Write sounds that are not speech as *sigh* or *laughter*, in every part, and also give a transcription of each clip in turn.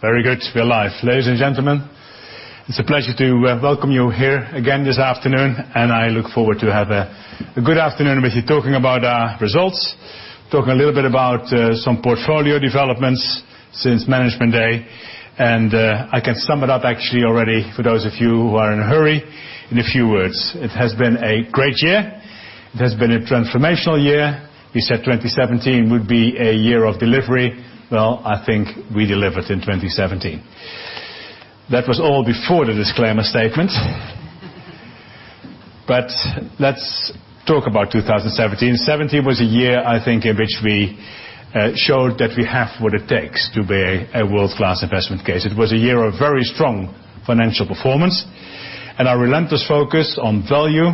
Very good. We're live. Ladies and gentlemen, it's a pleasure to welcome you here again this afternoon, I look forward to have a good afternoon with you, talking about our results, talking a little bit about some portfolio developments since Management Day. I can sum it up actually already for those of you who are in a hurry in a few words. It has been a great year. It has been a transformational year. We said 2017 would be a year of delivery. I think we delivered in 2017. That was all before the disclaimer statement. Let's talk about 2017. 2017 was a year, I think, in which we showed that we have what it takes to be a world-class investment case. It was a year of very strong financial performance, Our relentless focus on value,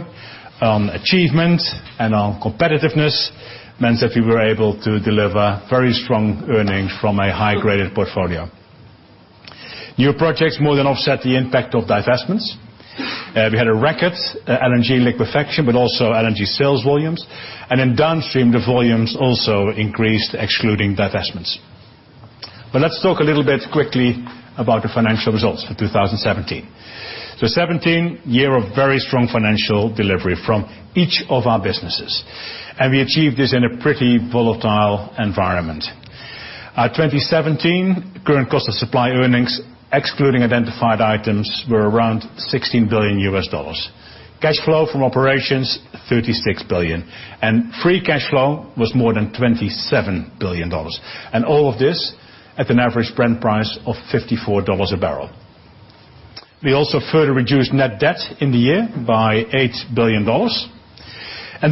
on achievement, and on competitiveness means that we were able to deliver very strong earnings from a high-graded portfolio. New projects more than offset the impact of divestments. We had a record LNG liquefaction, also LNG sales volumes. In Downstream, the volumes also increased excluding divestments. Let's talk a little bit quickly about the financial results for 2017. 2017, a year of very strong financial delivery from each of our businesses, We achieved this in a pretty volatile environment. Our 2017 current cost of supply earnings, excluding identified items, were around $16 billion. Cash flow from operations, $36 billion, Free cash flow was more than $27 billion. All of this at an average Brent price of $54 a barrel. We also further reduced net debt in the year by $8 billion,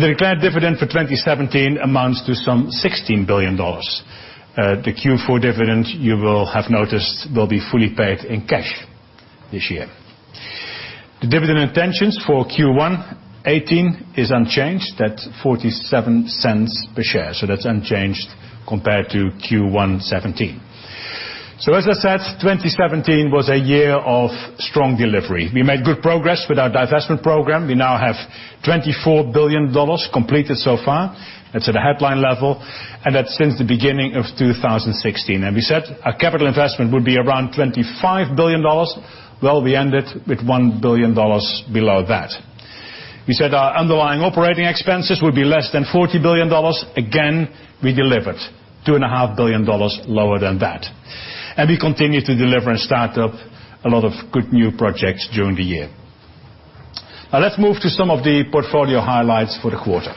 The declared dividend for 2017 amounts to some $16 billion. The Q4 dividend, you will have noticed, will be fully paid in cash this year. The dividend intentions for Q1 2018 is unchanged at $0.47 per share, That's unchanged compared to Q1 2017. As I said, 2017 was a year of strong delivery. We made good progress with our divestment program. We now have $24 billion completed so far. That's at a headline level, That's since the beginning of 2016. We said our capital investment would be around $25 billion. We ended with $1 billion below that. We said our underlying operating expenses would be less than $40 billion. We delivered $2.5 billion lower than that. We continued to deliver and start up a lot of good new projects during the year. Let's move to some of the portfolio highlights for the quarter.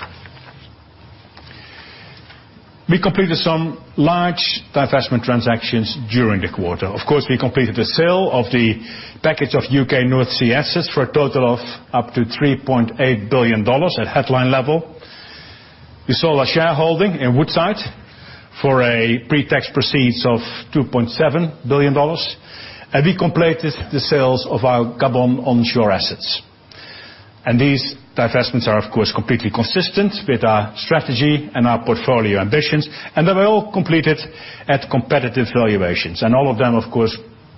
We completed some large divestment transactions during the quarter. Of course, we completed the sale of the package of U.K. North Sea assets for a total of up to $3.8 billion at headline level. We sold our shareholding in Woodside for a pre-tax proceeds of $2.7 billion, We completed the sales of our Gabon onshore assets. These divestments are, of course, completely consistent with our strategy and our portfolio ambitions, They were all completed at competitive valuations. All of them, of course,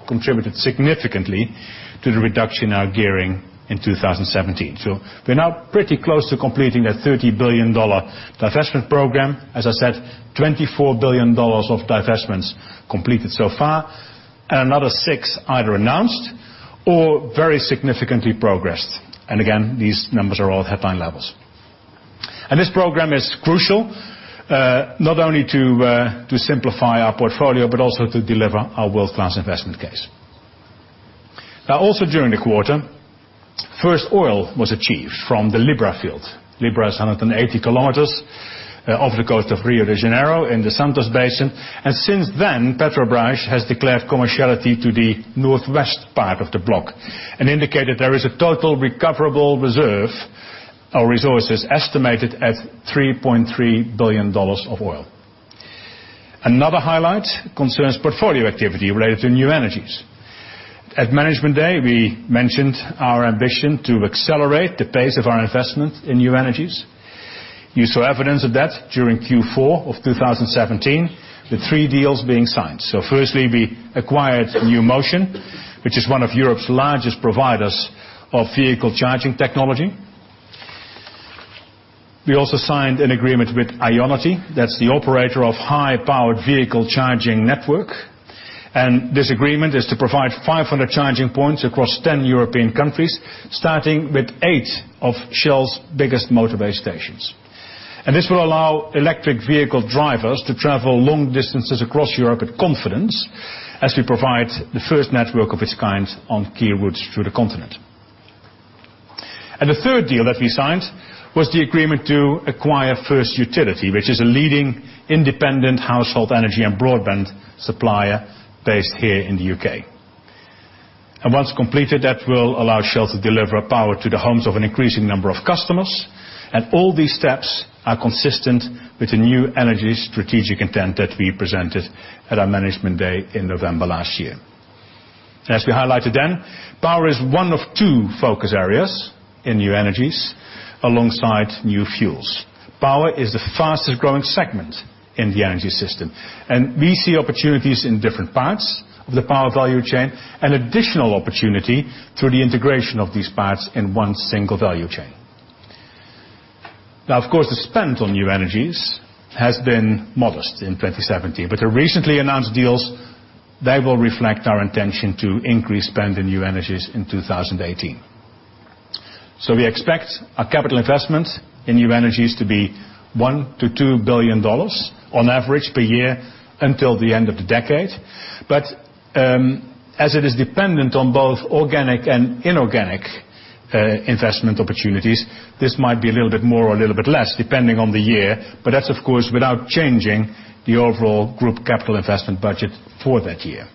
contributed significantly to the reduction in our gearing in 2017. We're now pretty close to completing that $30 billion divestment program. As I said, $24 billion of divestments completed so far, and another six either announced or very significantly progressed. Again, these numbers are all at headline levels. This program is crucial, not only to simplify our portfolio, but also to deliver our world-class investment case. Also during the quarter, first oil was achieved from the Libra field. Libra is 180 km off the coast of Rio de Janeiro in the Santos Basin. Since then, Petrobras has declared commerciality to the northwest part of the block and indicated there is a total recoverable reserve of resources estimated at $3.3 billion of oil. Another highlight concerns portfolio activity related to New Energies. At Management Day, we mentioned our ambition to accelerate the pace of our investment in New Energies. You saw evidence of that during Q4 of 2017, the three deals being signed. Firstly, we acquired NewMotion, which is one of Europe's largest providers of vehicle charging technology. We also signed an agreement with IONITY. That's the operator of high-powered vehicle charging network. This agreement is to provide 500 charging points across 10 European countries, starting with eight of Shell's biggest motorway stations. This will allow electric vehicle drivers to travel long distances across Europe with confidence as we provide the first network of its kind on key routes through the continent. The third deal that we signed was the agreement to acquire First Utility, which is a leading independent household energy and broadband supplier based here in the U.K. Once completed, that will allow Shell to deliver power to the homes of an increasing number of customers. All these steps are consistent with the New Energies strategic intent that we presented at our Management Day in November last year. As we highlighted then, power is one of two focus areas in New Energies alongside new fuels. Power is the fastest-growing segment in the energy system, and we see opportunities in different parts of the power value chain and additional opportunity through the integration of these parts in one single value chain. Of course, the spend on New Energies has been modest in 2017, but the recently announced deals, they will reflect our intention to increase spend in New Energies in 2018. We expect our capital investment in New Energies to be $1 billion to $2 billion on average per year until the end of the decade. As it is dependent on both organic and inorganic investment opportunities, this might be a little bit more or a little bit less, depending on the year, but that's of course, without changing the overall group capital investment budget for that year.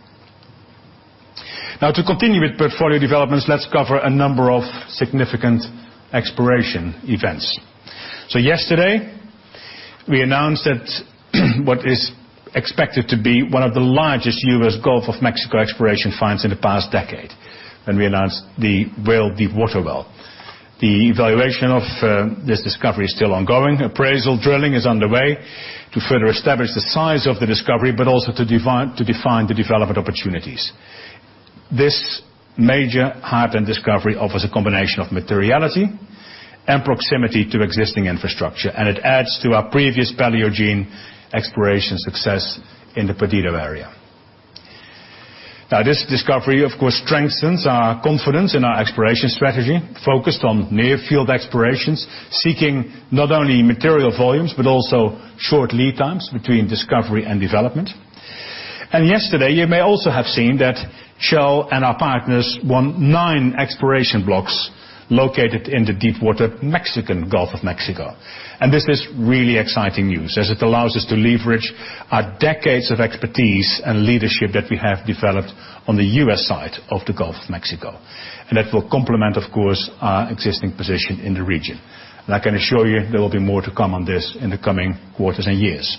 To continue with portfolio developments, let's cover a number of significant exploration events. Yesterday, we announced that what is expected to be one of the largest U.S. Gulf of Mexico exploration finds in the past decade when we announced the Whale deepwater well. The evaluation of this discovery is still ongoing. Appraisal drilling is underway to further establish the size of the discovery, but also to define the development opportunities. This major heightened discovery offers a combination of materiality and proximity to existing infrastructure, and it adds to our previous Paleogene exploration success in the Perdido area. This discovery, of course, strengthens our confidence in our exploration strategy focused on near-field explorations, seeking not only material volumes, but also short lead times between discovery and development. Yesterday, you may also have seen that Shell and our partners won nine exploration blocks located in the deepwater Mexican Gulf of Mexico. This is really exciting news as it allows us to leverage our decades of expertise and leadership that we have developed on the U.S. side of the Gulf of Mexico. That will complement, of course, our existing position in the region. I can assure you there will be more to come on this in the coming quarters and years.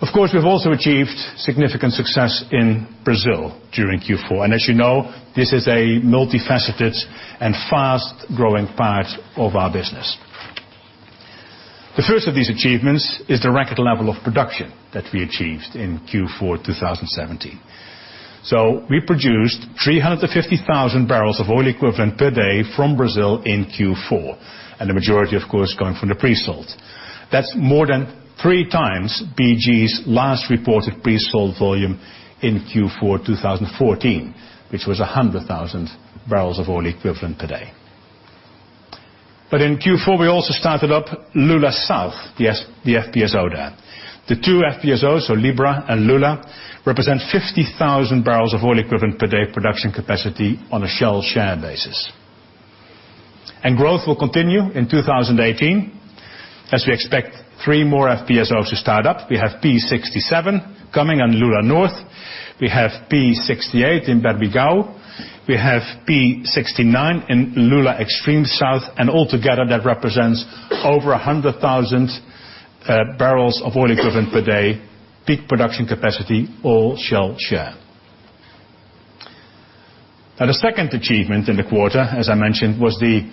Of course, we've also achieved significant success in Brazil during Q4. As you know, this is a multifaceted and fast-growing part of our business. The first of these achievements is the record level of production that we achieved in Q4 2017. We produced 350,000 barrels of oil equivalent per day from Brazil in Q4, and the majority of course going from the pre-salt. That's more than three times BG's last reported pre-salt volume in Q4 2014, which was 100,000 barrels of oil equivalent per day. In Q4, we also started up Lula South, the FPSO there. The two FPSOs, so Libra and Lula, represent 50,000 barrels of oil equivalent per day production capacity on a Shell share basis. Growth will continue in 2018 as we expect three more FPSOs to start up. We have P 67 coming on Lula North. We have P 68 in Berbigão. We have P 69 in Lula Extreme South, altogether that represents over 100,000 barrels of oil equivalent per day, peak production capacity, all Shell share. The second achievement in the quarter, as I mentioned, was the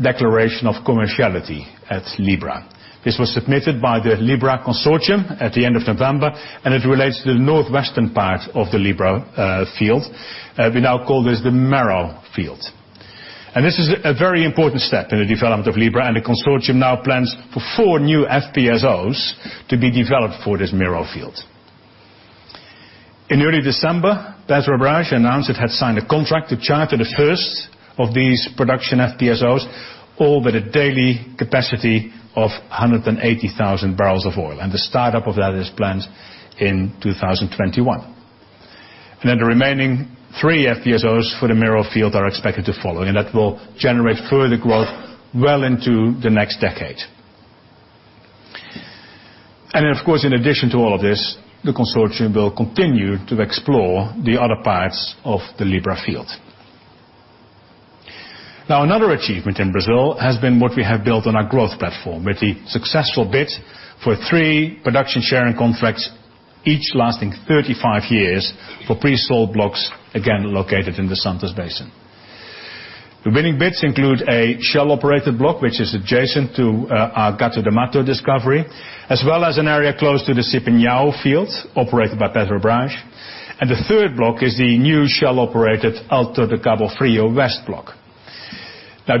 declaration of commerciality at Libra. This was submitted by the Libra Consortium at the end of November, and it relates to the northwestern part of the Libra field. We now call this the Marac field. This is a very important step in the development of Libra and the consortium now plans for four new FPSOs to be developed for this Marac field. In early December, Petrobras announced it had signed a contract to charter the first of these production FPSOs, all with a daily capacity of 180,000 barrels of oil, the startup of that is planned in 2021. The remaining three FPSOs for the Marac field are expected to follow, and that will generate further growth well into the next decade. Of course, in addition to all of this, the consortium will continue to explore the other parts of the Libra field. Another achievement in Brazil has been what we have built on our growth platform with the successful bid for three production sharing contracts, each lasting 35 years for pre-salt blocks, again, located in the Santos Basin. The winning bids include a Shell-operated block, which is adjacent to our Gato do Mato discovery, as well as an area close to the Sapinhoá field operated by Petrobras. The third block is the new Shell-operated Alto de Cabo Frio West block.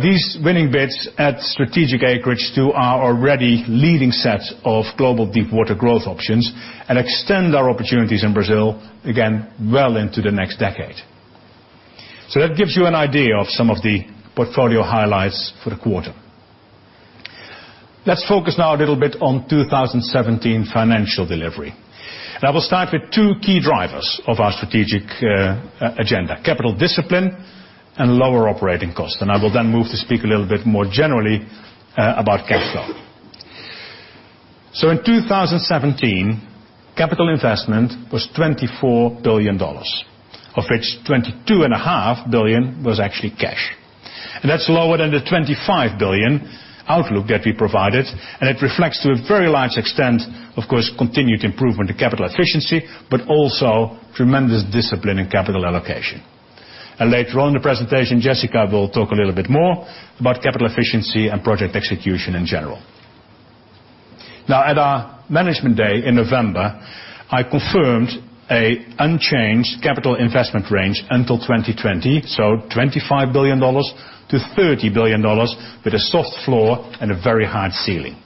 These winning bids add strategic acreage to our already leading set of global deepwater growth options and extend our opportunities in Brazil, again, well into the next decade. That gives you an idea of some of the portfolio highlights for the quarter. Let's focus now a little bit on 2017 financial delivery. I will start with two key drivers of our strategic agenda, capital discipline and lower operating costs. I will then move to speak a little bit more generally about cash flow. In 2017, capital investment was $24 billion, of which $22.5 billion was actually cash. That's lower than the $25 billion outlook that we provided, and it reflects to a very large extent, of course, continued improvement to capital efficiency, but also tremendous discipline in capital allocation. Later on in the presentation, Jessica will talk a little bit more about capital efficiency and project execution in general. At our Management Day in November, I confirmed an unchanged capital investment range until 2020, $25 billion-$30 billion, with a soft floor and a very hard ceiling.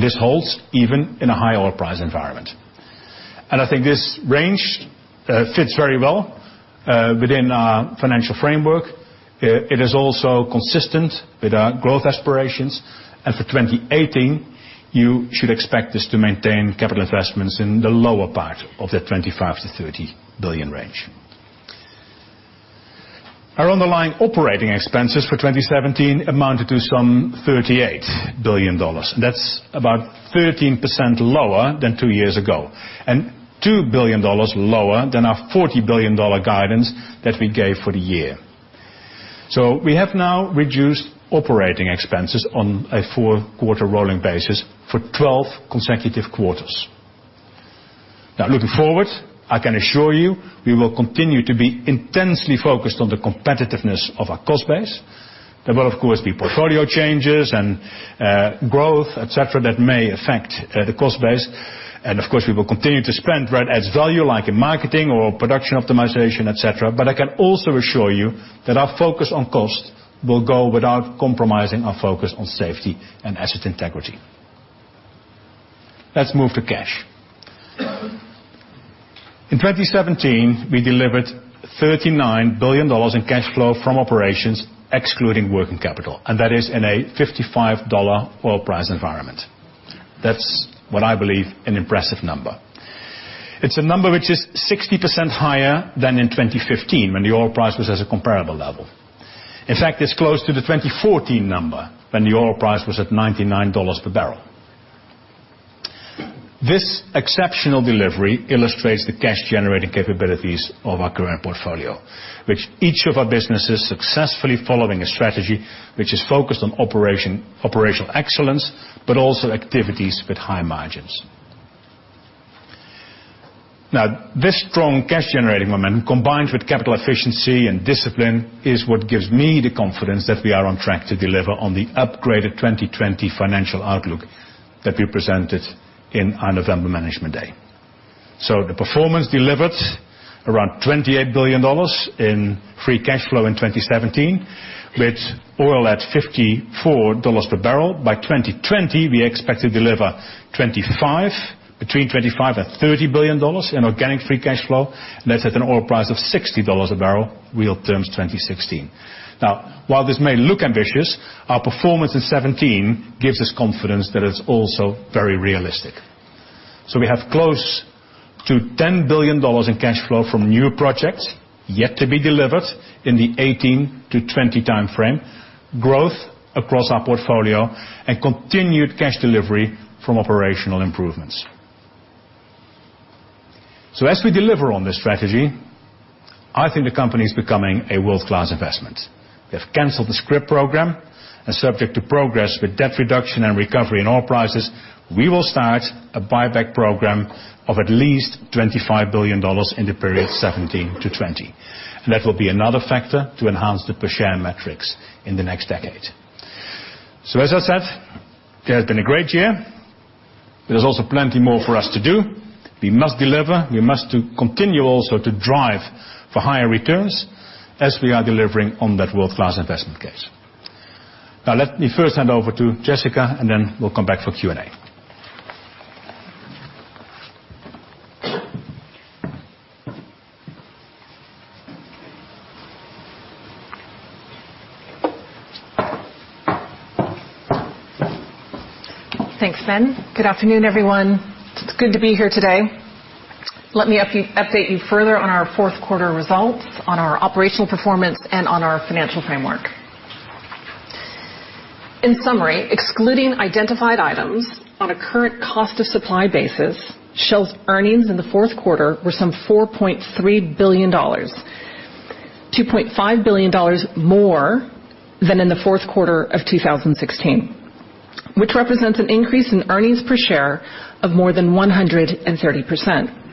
This holds even in a high oil price environment. I think this range fits very well within our financial framework. It is also consistent with our growth aspirations. For 2018, you should expect us to maintain capital investments in the lower part of that $25 billion-$30 billion range. Our underlying operating expenses for 2017 amounted to some $38 billion. That's about 13% lower than two years ago, and $2 billion lower than our $40 billion guidance that we gave for the year. We have now reduced operating expenses on a four-quarter rolling basis for 12 consecutive quarters. Looking forward, I can assure you, we will continue to be intensely focused on the competitiveness of our cost base. There will, of course, be portfolio changes and growth, et cetera, that may affect the cost base. Of course, we will continue to spend where it adds value, like in marketing or production optimization, et cetera. I can also assure you that our focus on cost will go without compromising our focus on safety and asset integrity. Let's move to cash. In 2017, we delivered $39 billion in cash flow from operations excluding working capital, and that is in a $55 oil price environment. That's, what I believe, an impressive number. It's a number which is 60% higher than in 2015 when the oil price was at a comparable level. In fact, it's close to the 2014 number, when the oil price was at $99 per barrel. This exceptional delivery illustrates the cash generating capabilities of our current portfolio, with each of our businesses successfully following a strategy which is focused on operational excellence, but also activities with high margins. This strong cash generating momentum, combined with capital efficiency and discipline, is what gives me the confidence that we are on track to deliver on the upgraded 2020 financial outlook that we presented in our November Management Day. The performance delivered around $28 billion in free cash flow in 2017, with oil at $54 per barrel. By 2020, we expect to deliver $25 billion-$30 billion in organic free cash flow, and that's at an oil price of $60 a barrel, real terms 2016. While this may look ambitious, our performance in 2017 gives us confidence that it is also very realistic. We have close to $10 billion in cash flow from new projects yet to be delivered in the 2018-2020 timeframe, growth across our portfolio, and continued cash delivery from operational improvements. As we deliver on this strategy, I think the company is becoming a world-class investment. We have canceled the scrip program, and subject to progress with debt reduction and recovery in oil prices, we will start a buyback program of at least $25 billion in the period 2017-2020. That will be another factor to enhance the per share metrics in the next decade. As I said, it has been a great year, but there is also plenty more for us to do. We must deliver. We must continue also to drive for higher returns as we are delivering on that world-class investment case. Let me first hand over to Jessica, then we will come back for Q&A. Thanks, Ben. Good afternoon, everyone. It is good to be here today. Let me update you further on our fourth quarter results, on our operational performance, and on our financial framework. In summary, excluding identified items, on a current cost of supply basis, Shell's earnings in the fourth quarter were some $4.3 billion, $2.5 billion more than in the fourth quarter of 2016, which represents an increase in earnings per share of more than 130%.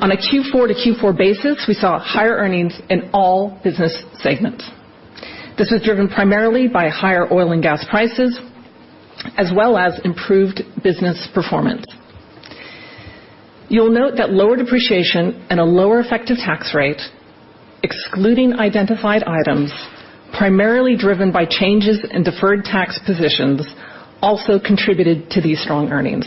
On a Q4 to Q4 basis, we saw higher earnings in all business segments. This was driven primarily by higher oil and gas prices, as well as improved business performance. You will note that lower depreciation and a lower effective tax rate, excluding identified items, primarily driven by changes in deferred tax positions, also contributed to these strong earnings.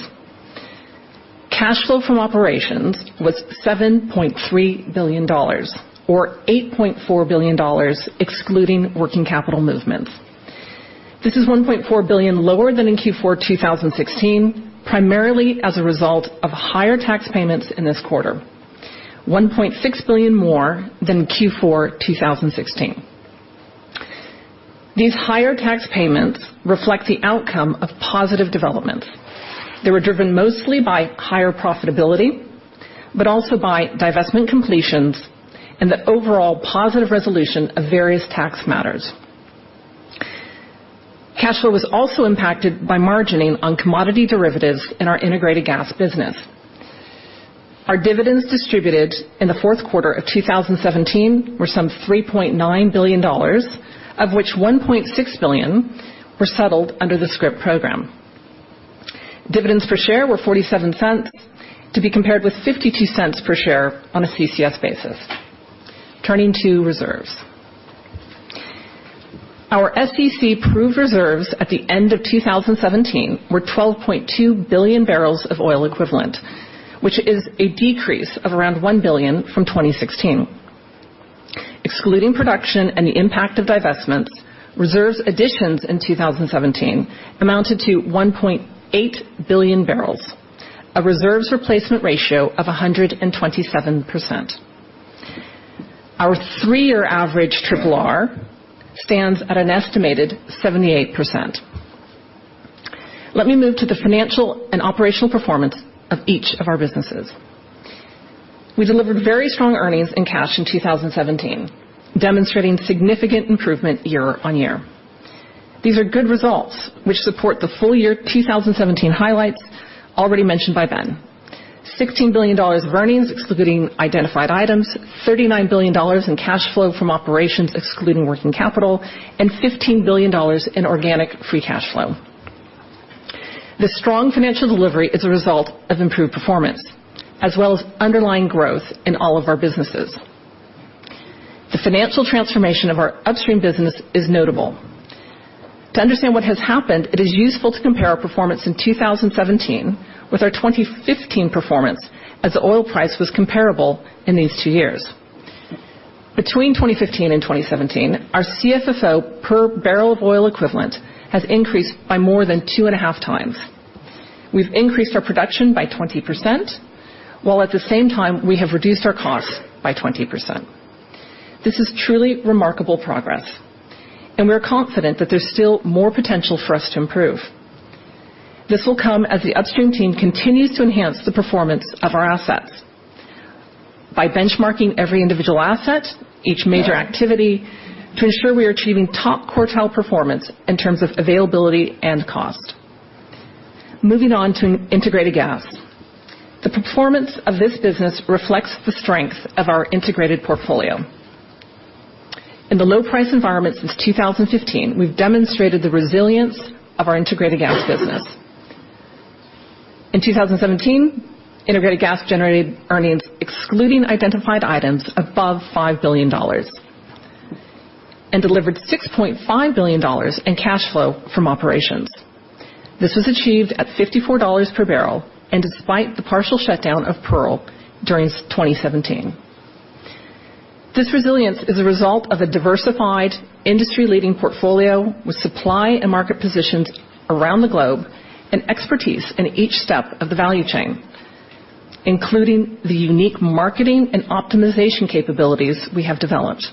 Cash flow from operations was $7.3 billion, or $8.4 billion excluding working capital movements. This is $1.4 billion lower than in Q4 2016, primarily as a result of higher tax payments in this quarter, $1.6 billion more than Q4 2016. These higher tax payments reflect the outcome of positive developments. They were driven mostly by higher profitability, but also by divestment completions and the overall positive resolution of various tax matters. Cash flow was also impacted by margining on commodity derivatives in our Integrated Gas business. Our dividends distributed in the fourth quarter of 2017 were some $3.9 billion, of which $1.6 billion were settled under the scrip program. Dividends per share were $0.47 to be compared with $0.52 per share on a CCS basis. Turning to reserves. Our SEC proved reserves at the end of 2017 were 12.2 billion barrels of oil equivalent, which is a decrease of around 1 billion from 2016. Excluding production and the impact of divestments, reserves additions in 2017 amounted to 1.8 billion barrels. A reserves replacement ratio of 127%. Our three-year average RRR stands at an estimated 78%. Let me move to the financial and operational performance of each of our businesses. We delivered very strong earnings in cash in 2017, demonstrating significant improvement year-on-year. These are good results which support the full year 2017 highlights already mentioned by Ben. $16 billion of earnings excluding identified items, $39 billion in cash flow from operations excluding working capital, and $15 billion in organic free cash flow. The strong financial delivery is a result of improved performance as well as underlying growth in all of our businesses. The financial transformation of our Upstream business is notable. To understand what has happened, it is useful to compare our performance in 2017 with our 2015 performance, as the oil price was comparable in these two years. Between 2015 and 2017, our CFFO per barrel of oil equivalent has increased by more than two and a half times. We've increased our production by 20%, while at the same time, we have reduced our costs by 20%. This is truly remarkable progress, and we are confident that there's still more potential for us to improve. This will come as the Upstream team continues to enhance the performance of our assets by benchmarking every individual asset, each major activity to ensure we are achieving top quartile performance in terms of availability and cost. Moving on to Integrated Gas. The performance of this business reflects the strength of our integrated portfolio. In the low price environment since 2015, we've demonstrated the resilience of our Integrated Gas business. In 2017, Integrated Gas generated earnings excluding identified items above $5 billion and delivered $6.5 billion in cash flow from operations. This was achieved at $54 per barrel, despite the partial shutdown of Pearl during 2017. This resilience is a result of a diversified industry leading portfolio with supply and market positions around the globe and expertise in each step of the value chain, including the unique marketing and optimization capabilities we have developed.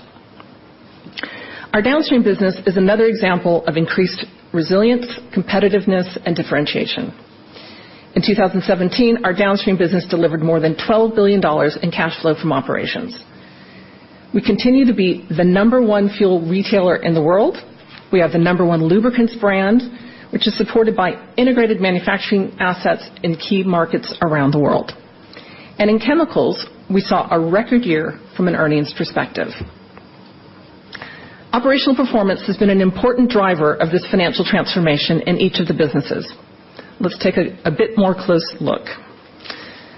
Our Downstream business is another example of increased resilience, competitiveness, and differentiation. In 2017, our Downstream business delivered more than $12 billion in cash flow from operations. We continue to be the number one fuel retailer in the world. We have the number one lubricants brand, which is supported by integrated manufacturing assets in key markets around the world. In chemicals, we saw a record year from an earnings perspective. Operational performance has been an important driver of this financial transformation in each of the businesses. Let's take a bit more close look.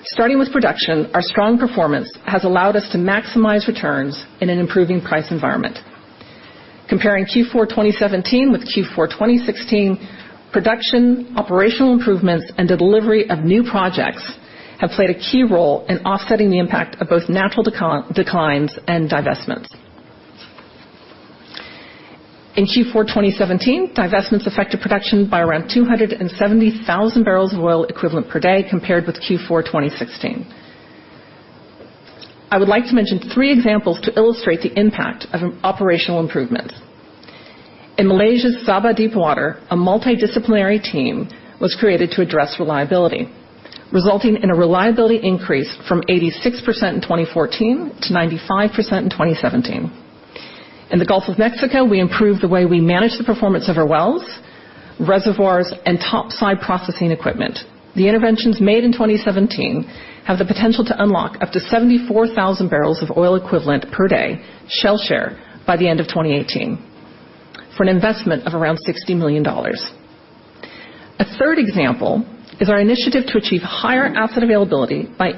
Starting with production, our strong performance has allowed us to maximize returns in an improving price environment. Comparing Q4 2017 with Q4 2016, production, operational improvements, and delivery of new projects have played a key role in offsetting the impact of both natural declines and divestments. In Q4 2017, divestments affected production by around 270,000 barrels of oil equivalent per day compared with Q4 2016. I would like to mention three examples to illustrate the impact of operational improvements. In Malaysia's Sabah Deepwater, a multidisciplinary team was created to address reliability, resulting in a reliability increase from 86% in 2014 to 95% in 2017. In the Gulf of Mexico, we improved the way we manage the performance of our wells, reservoirs, and topside processing equipment. The interventions made in 2017 have the potential to unlock up to 74,000 barrels of oil equivalent per day, Shell share, by the end of 2018 for an investment of around $60 million. A third example is our initiative to achieve higher asset availability by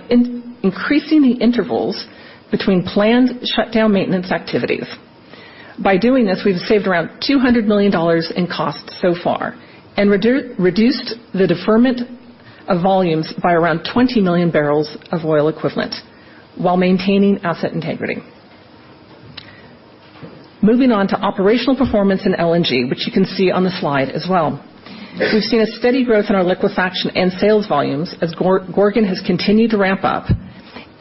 increasing the intervals between planned shutdown maintenance activities. By doing this, we've saved around $200 million in costs so far and reduced the deferment of volumes by around 20 million barrels of oil equivalent while maintaining asset integrity. Moving on to operational performance in LNG, which you can see on the slide as well. We've seen a steady growth in our liquefaction and sales volumes as Gorgon has continued to ramp up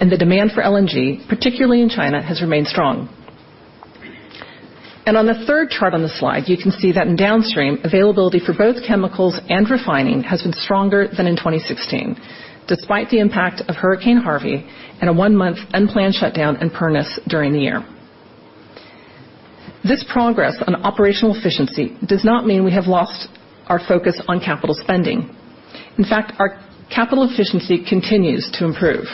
and the demand for LNG, particularly in China, has remained strong. On the third chart on the slide, you can see that in Downstream, availability for both chemicals and refining has been stronger than in 2016, despite the impact of Hurricane Harvey and a one-month unplanned shutdown in Pernis during the year. This progress on operational efficiency does not mean we have lost our focus on capital spending. In fact, our capital efficiency continues to improve.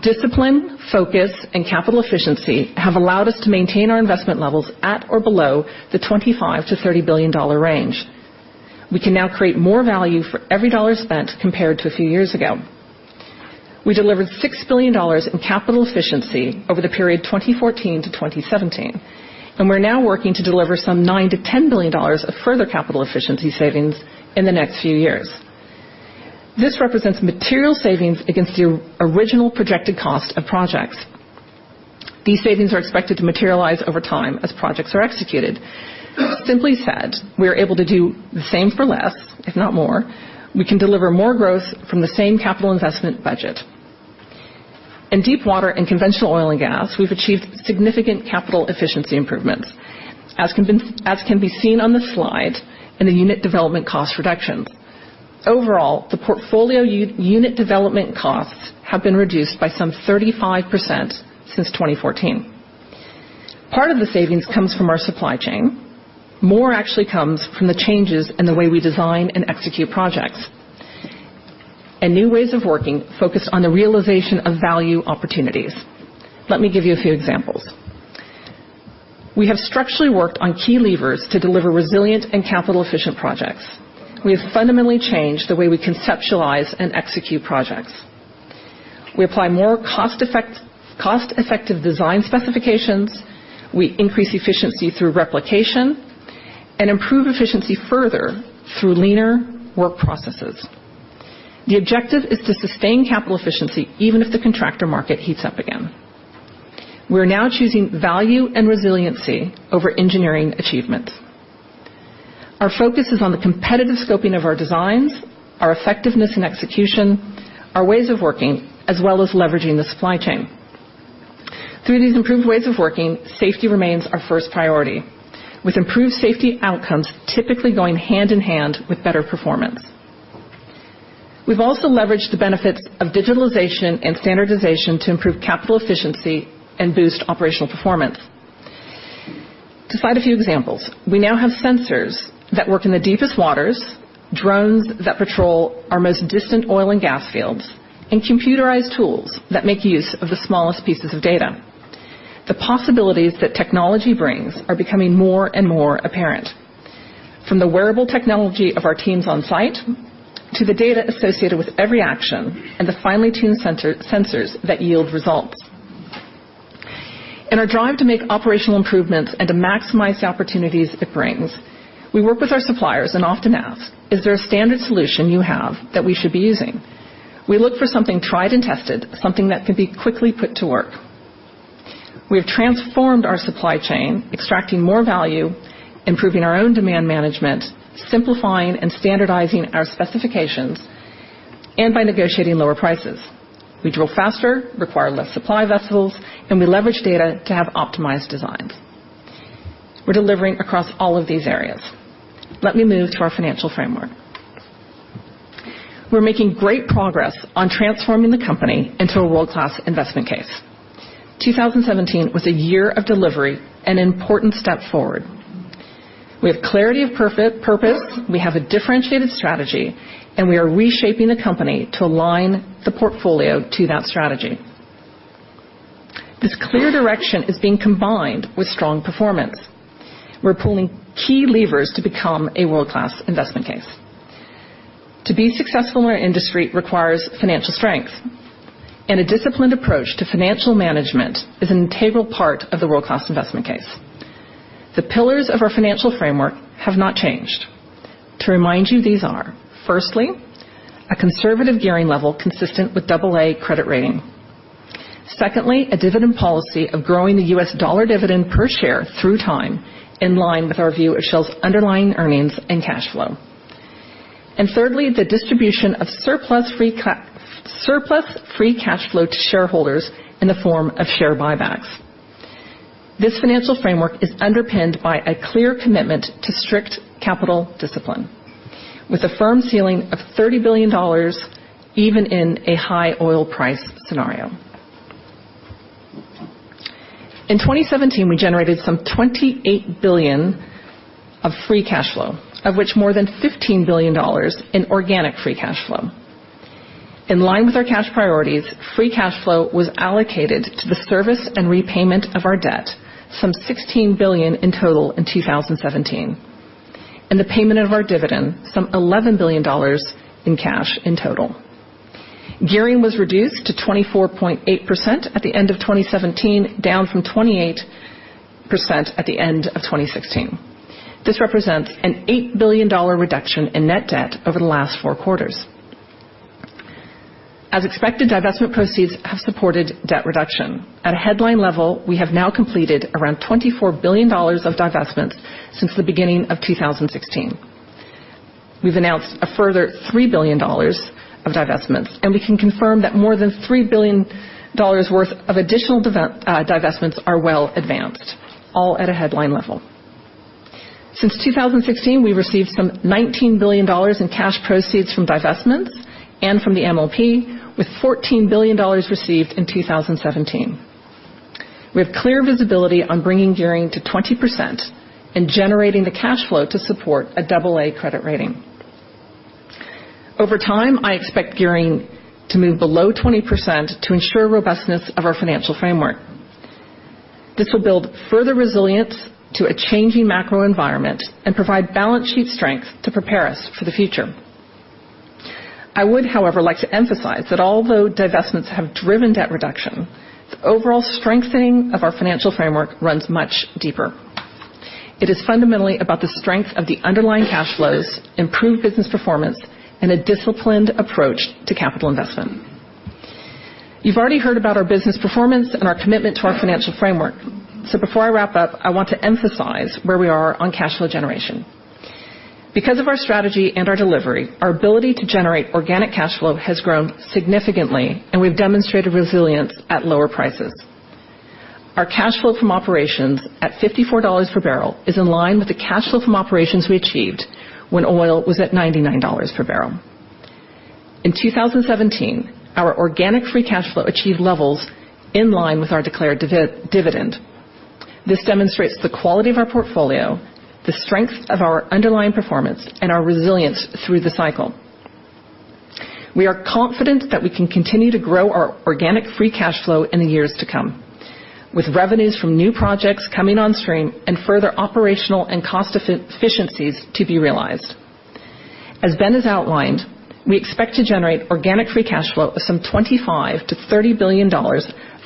Discipline, focus, and capital efficiency have allowed us to maintain our investment levels at or below the $25 billion-$30 billion range. We can now create more value for every dollar spent compared to a few years ago. We delivered $6 billion in capital efficiency over the period 2014 to 2017, and we are now working to deliver some $9 billion-$10 billion of further capital efficiency savings in the next few years. This represents material savings against the original projected cost of projects. These savings are expected to materialize over time as projects are executed. Simply said, we are able to do the same for less, if not more. We can deliver more growth from the same capital investment budget. In deep water and conventional oil and gas, we have achieved significant capital efficiency improvements, as can be seen on the slide in the unit development cost reductions. Overall, the portfolio unit development costs have been reduced by some 35% since 2014. Part of the savings comes from our supply chain. More actually comes from the changes in the way we design and execute projects, and new ways of working focused on the realization of value opportunities. Let me give you a few examples. We have structurally worked on key levers to deliver resilient and capital-efficient projects. We have fundamentally changed the way we conceptualize and execute projects. We apply more cost-effective design specifications, we increase efficiency through replication, and improve efficiency further through leaner work processes. The objective is to sustain capital efficiency, even if the contractor market heats up again. We are now choosing value and resiliency over engineering achievements. Our focus is on the competitive scoping of our designs, our effectiveness in execution, our ways of working, as well as leveraging the supply chain. Through these improved ways of working, safety remains our first priority, with improved safety outcomes typically going hand in hand with better performance. We have also leveraged the benefits of digitalization and standardization to improve capital efficiency and boost operational performance. To cite a few examples, we now have sensors that work in the deepest waters, drones that patrol our most distant oil and gas fields, and computerized tools that make use of the smallest pieces of data. The possibilities that technology brings are becoming more and more apparent. From the wearable technology of our teams on site, to the data associated with every action, and the finely tuned sensors that yield results. In our drive to make operational improvements and to maximize the opportunities it brings, we work with our suppliers and often ask, "Is there a standard solution you have that we should be using?" We look for something tried and tested, something that can be quickly put to work. We have transformed our supply chain, extracting more value, improving our own demand management, simplifying and standardizing our specifications, and by negotiating lower prices. We drill faster, require less supply vessels, and we leverage data to have optimized designs. We are delivering across all of these areas. Let me move to our financial framework. We are making great progress on transforming the company into a world-class investment case. 2017 was a year of delivery and an important step forward. We have clarity of purpose, we have a differentiated strategy, and we are reshaping the company to align the portfolio to that strategy. This clear direction is being combined with strong performance. We are pulling key levers to become a world-class investment case. To be successful in our industry requires financial strength, and a disciplined approach to financial management is an integral part of the world-class investment case. The pillars of our financial framework have not changed. To remind you, these are, firstly, a conservative gearing level consistent with AA credit rating. Secondly, a dividend policy of growing the U.S. dollar dividend per share through time, in line with our view of Shell's underlying earnings and cash flow. Thirdly, the distribution of surplus free cash flow to shareholders in the form of share buybacks. This financial framework is underpinned by a clear commitment to strict capital discipline with a firm ceiling of $30 billion even in a high oil price scenario. In 2017, we generated some $28 billion of free cash flow, of which more than $15 billion in organic free cash flow. In line with our cash priorities, free cash flow was allocated to the service and repayment of our debt, some $16 billion in total in 2017, and the payment of our dividend, some $11 billion in cash in total. Gearing was reduced to 24.8% at the end of 2017, down from 28% at the end of 2016. This represents an $8 billion reduction in net debt over the last four quarters. As expected, divestment proceeds have supported debt reduction. At a headline level, we have now completed around $24 billion of divestments since the beginning of 2016. We have announced a further $3 billion of divestments, and we can confirm that more than $3 billion worth of additional divestments are well advanced, all at a headline level. Since 2016, we received some $19 billion in cash proceeds from divestments and from the MLP, with $14 billion received in 2017. We have clear visibility on bringing gearing to 20% and generating the cash flow to support an AA credit rating. Over time, I expect gearing to move below 20% to ensure robustness of our financial framework. This will build further resilience to a changing macro environment and provide balance sheet strength to prepare us for the future. I would, however, like to emphasize that although divestments have driven debt reduction, the overall strengthening of our financial framework runs much deeper. It is fundamentally about the strength of the underlying cash flows, improved business performance, and a disciplined approach to capital investment. You've already heard about our business performance and our commitment to our financial framework. Before I wrap up, I want to emphasize where we are on cash flow generation. Because of our strategy and our delivery, our ability to generate organic cash flow has grown significantly, and we've demonstrated resilience at lower prices. Our cash flow from operations at $54 per barrel is in line with the cash flow from operations we achieved when oil was at $99 per barrel. In 2017, our organic free cash flow achieved levels in line with our declared dividend. This demonstrates the quality of our portfolio, the strength of our underlying performance, and our resilience through the cycle. We are confident that we can continue to grow our organic free cash flow in the years to come, with revenues from new projects coming on stream and further operational and cost efficiencies to be realized. As Ben has outlined, we expect to generate organic free cash flow of some $25 billion-$30 billion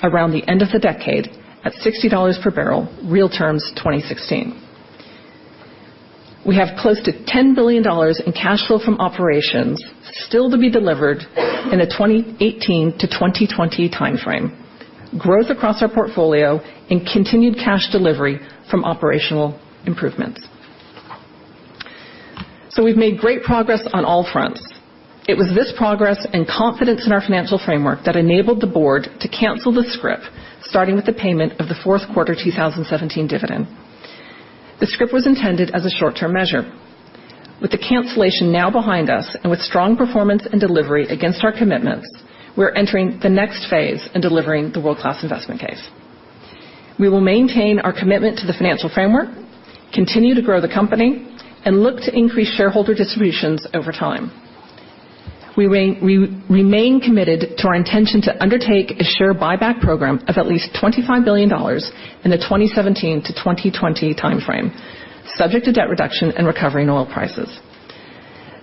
around the end of the decade at $60 per barrel, real terms 2016. We have close to $10 billion in cash flow from operations still to be delivered in a 2018-2020 timeframe, growth across our portfolio and continued cash delivery from operational improvements. We've made great progress on all fronts. It was this progress and confidence in our financial framework that enabled the board to cancel the scrip, starting with the payment of the fourth quarter 2017 dividend. The scrip was intended as a short-term measure. With the cancellation now behind us and with strong performance and delivery against our commitments, we're entering the next phase in delivering the world-class investment case. We will maintain our commitment to the financial framework, continue to grow the company, and look to increase shareholder distributions over time. We remain committed to our intention to undertake a share buyback program of at least $25 billion in the 2017-2020 timeframe, subject to debt reduction and recovery in oil prices,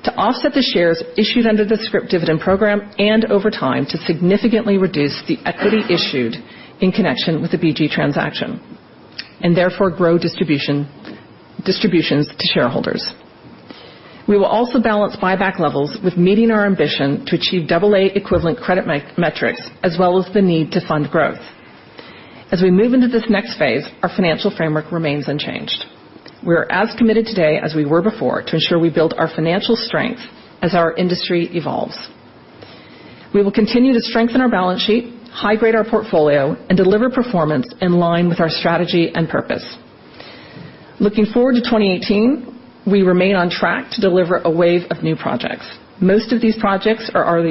to offset the shares issued under the scrip dividend program and over time to significantly reduce the equity issued in connection with the BG transaction, and therefore grow distributions to shareholders. We will also balance buyback levels with meeting our ambition to achieve AA equivalent credit metrics as well as the need to fund growth. As we move into this next phase, our financial framework remains unchanged. We are as committed today as we were before to ensure we build our financial strength as our industry evolves. We will continue to strengthen our balance sheet, high-grade our portfolio, and deliver performance in line with our strategy and purpose. Looking forward to 2018, we remain on track to deliver a wave of new projects. Most of these projects are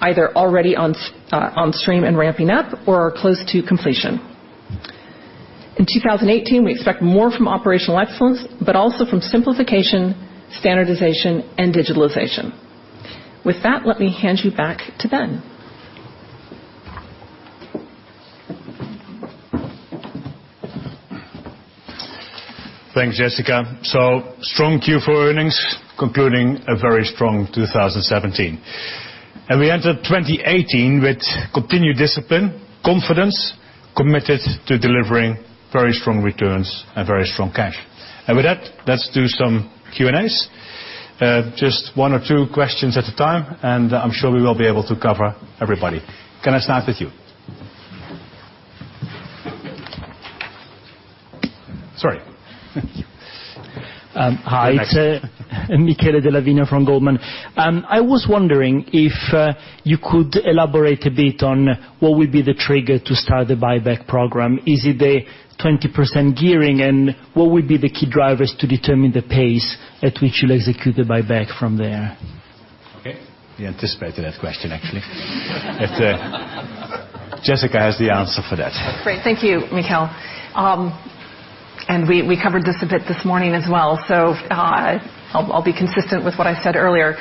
either already on stream and ramping up or are close to completion. In 2018, we expect more from operational excellence, but also from simplification, standardization, and digitalization. With that, let me hand you back to Ben. Thanks, Jessica. Strong Q4 earnings concluding a very strong 2017. We enter 2018 with continued discipline, confidence, committed to delivering very strong returns and very strong cash. With that, let's do some Q&As. Just one or two questions at a time, I'm sure we will be able to cover everybody. Can I start with you? Sorry. Hi. Next. It's Michele Della Vigna from Goldman. I was wondering if you could elaborate a bit on what will be the trigger to start the buyback program. Is it the 20% gearing? What will be the key drivers to determine the pace at which you'll execute the buyback from there? Okay. We anticipated that question, actually. Jessica has the answer for that. Great. Thank you, Michele. We covered this a bit this morning as well. I'll be consistent with what I said earlier.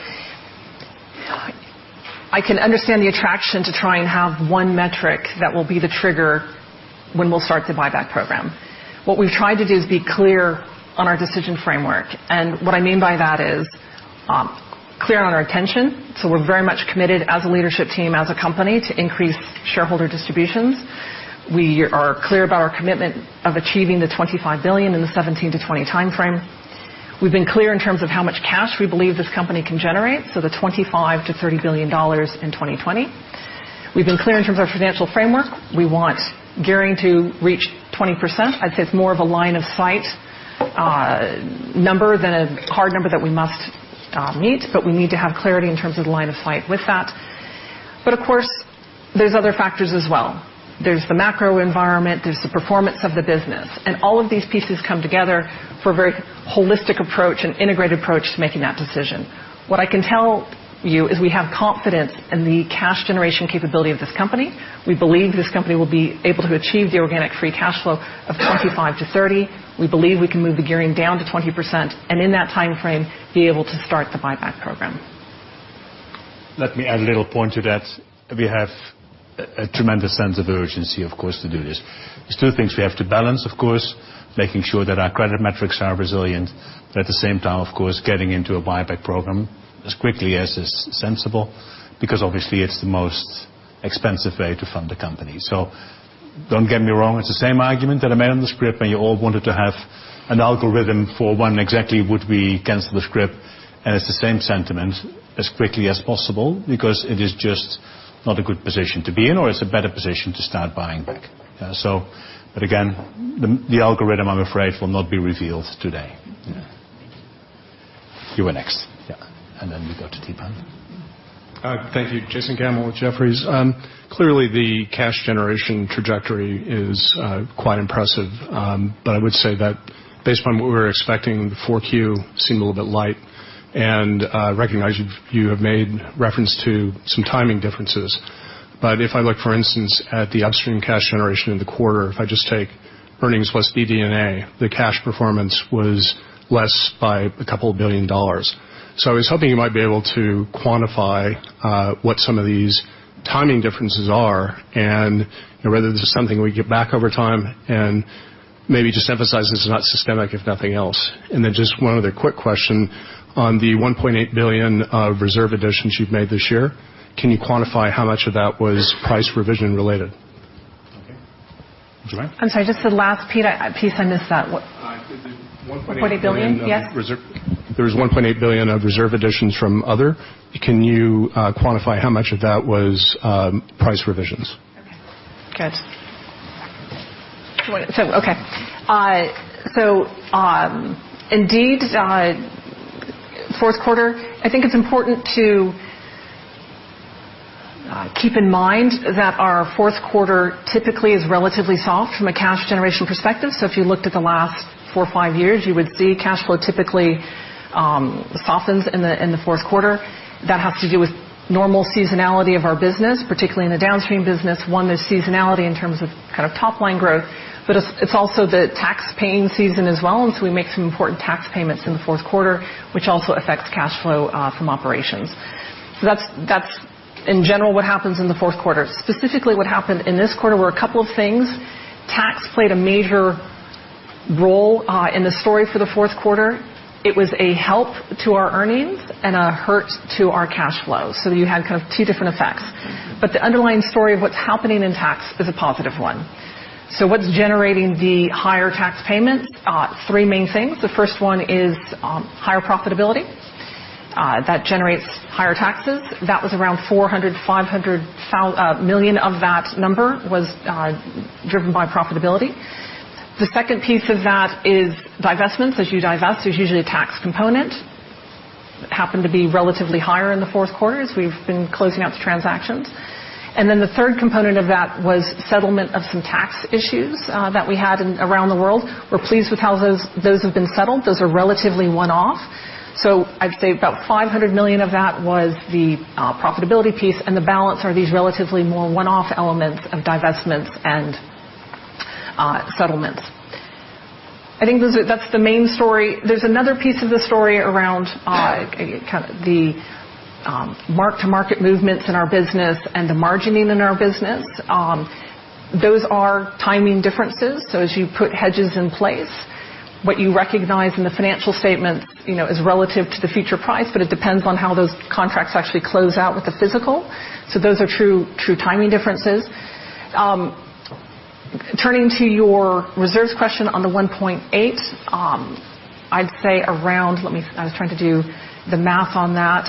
I can understand the attraction to try and have one metric that will be the trigger when we'll start the buyback program. What we've tried to do is be clear on our decision framework. What I mean by that is clear on our intention. We're very much committed as a leadership team, as a company, to increase shareholder distributions. We are clear about our commitment of achieving the $25 billion in the 2017 to 2020 timeframe. We've been clear in terms of how much cash we believe this company can generate, the $25 billion-$30 billion in 2020. We've been clear in terms of our financial framework. We want gearing to reach 20%. I'd say it's more of a line of sight number than a hard number that we must meet. We need to have clarity in terms of line of sight with that. Of course, there's other factors as well. There's the macro environment, there's the performance of the business. All of these pieces come together for a very holistic approach and integrated approach to making that decision. What I can tell you is we have confidence in the cash generation capability of this company. We believe this company will be able to achieve the organic free cash flow of $25 billion-$30 billion. We believe we can move the gearing down to 20%, and in that timeframe, be able to start the buyback program. Let me add a little point to that. We have a tremendous sense of urgency, of course, to do this. There's two things we have to balance, of course. Making sure that our credit metrics are resilient. At the same time, of course, getting into a buyback program as quickly as is sensible, because obviously, it's the most expensive way to fund a company. Don't get me wrong, it's the same argument that I made on the scrip, and you all wanted to have an algorithm for when exactly would we cancel the scrip. It's the same sentiment, as quickly as possible, because it is just not a good position to be in, or it's a better position to start buying back. Again, the algorithm, I'm afraid, will not be revealed today. You were next. Then we go to Theepan. Thank you. Jason Gammel with Jefferies. Clearly, the cash generation trajectory is quite impressive. I would say that based upon what we were expecting, the 4Q seemed a little bit light. I recognize you have made reference to some timing differences. If I look, for instance, at the Upstream cash generation in the quarter, if I just take earnings plus DD&A, the cash performance was less by a couple of billion dollars. I was hoping you might be able to quantify what some of these timing differences are and whether this is something we get back over time and maybe just emphasize this is not systemic, if nothing else. Then just one other quick question, on the $1.8 billion of reserve additions you've made this year, can you quantify how much of that was price revision related? Okay. Joanne? I'm sorry, just the last piece I missed that. $1.8 billion? Yeah. There was 1.8 billion of reserve additions from other. Can you quantify how much of that was price revisions? Okay, good. Indeed, fourth quarter, I think it's important to keep in mind that our fourth quarter typically is relatively soft from a cash generation perspective. If you looked at the last four or five years, you would see cash flow typically softens in the fourth quarter. That has to do with normal seasonality of our business, particularly in the Downstream business. One, there's seasonality in terms of kind of top-line growth, but it's also the tax paying season as well, we make some important tax payments in the fourth quarter, which also affects cash flow from operations. That's in general what happens in the fourth quarter. Specifically, what happened in this quarter were a couple of things. Tax played a major role in the story for the fourth quarter. It was a help to our earnings and a hurt to our cash flows. You had kind of two different effects. The underlying story of what's happening in tax is a positive one. What's generating the higher tax payments? Three main things. The first one is higher profitability. That generates higher taxes. That was around $400 million, $500 million of that number was driven by profitability. The second piece of that is divestments. As you divest, there's usually a tax component. Happened to be relatively higher in the fourth quarter as we've been closing out the transactions. The third component of that was settlement of some tax issues that we had around the world. We're pleased with how those have been settled. Those are relatively one-off. I'd say about $500 million of that was the profitability piece, and the balance are these relatively more one-off elements of divestments and settlements. I think that's the main story. There's another piece of the story around the mark-to-market movements in our business and the margining in our business. Those are timing differences. As you put hedges in place, what you recognize in the financial statement is relative to the future price, but it depends on how those contracts actually close out with the physical. Those are true timing differences. Turning to your reserves question on the 1.8, I'd say around, I was trying to do the math on that.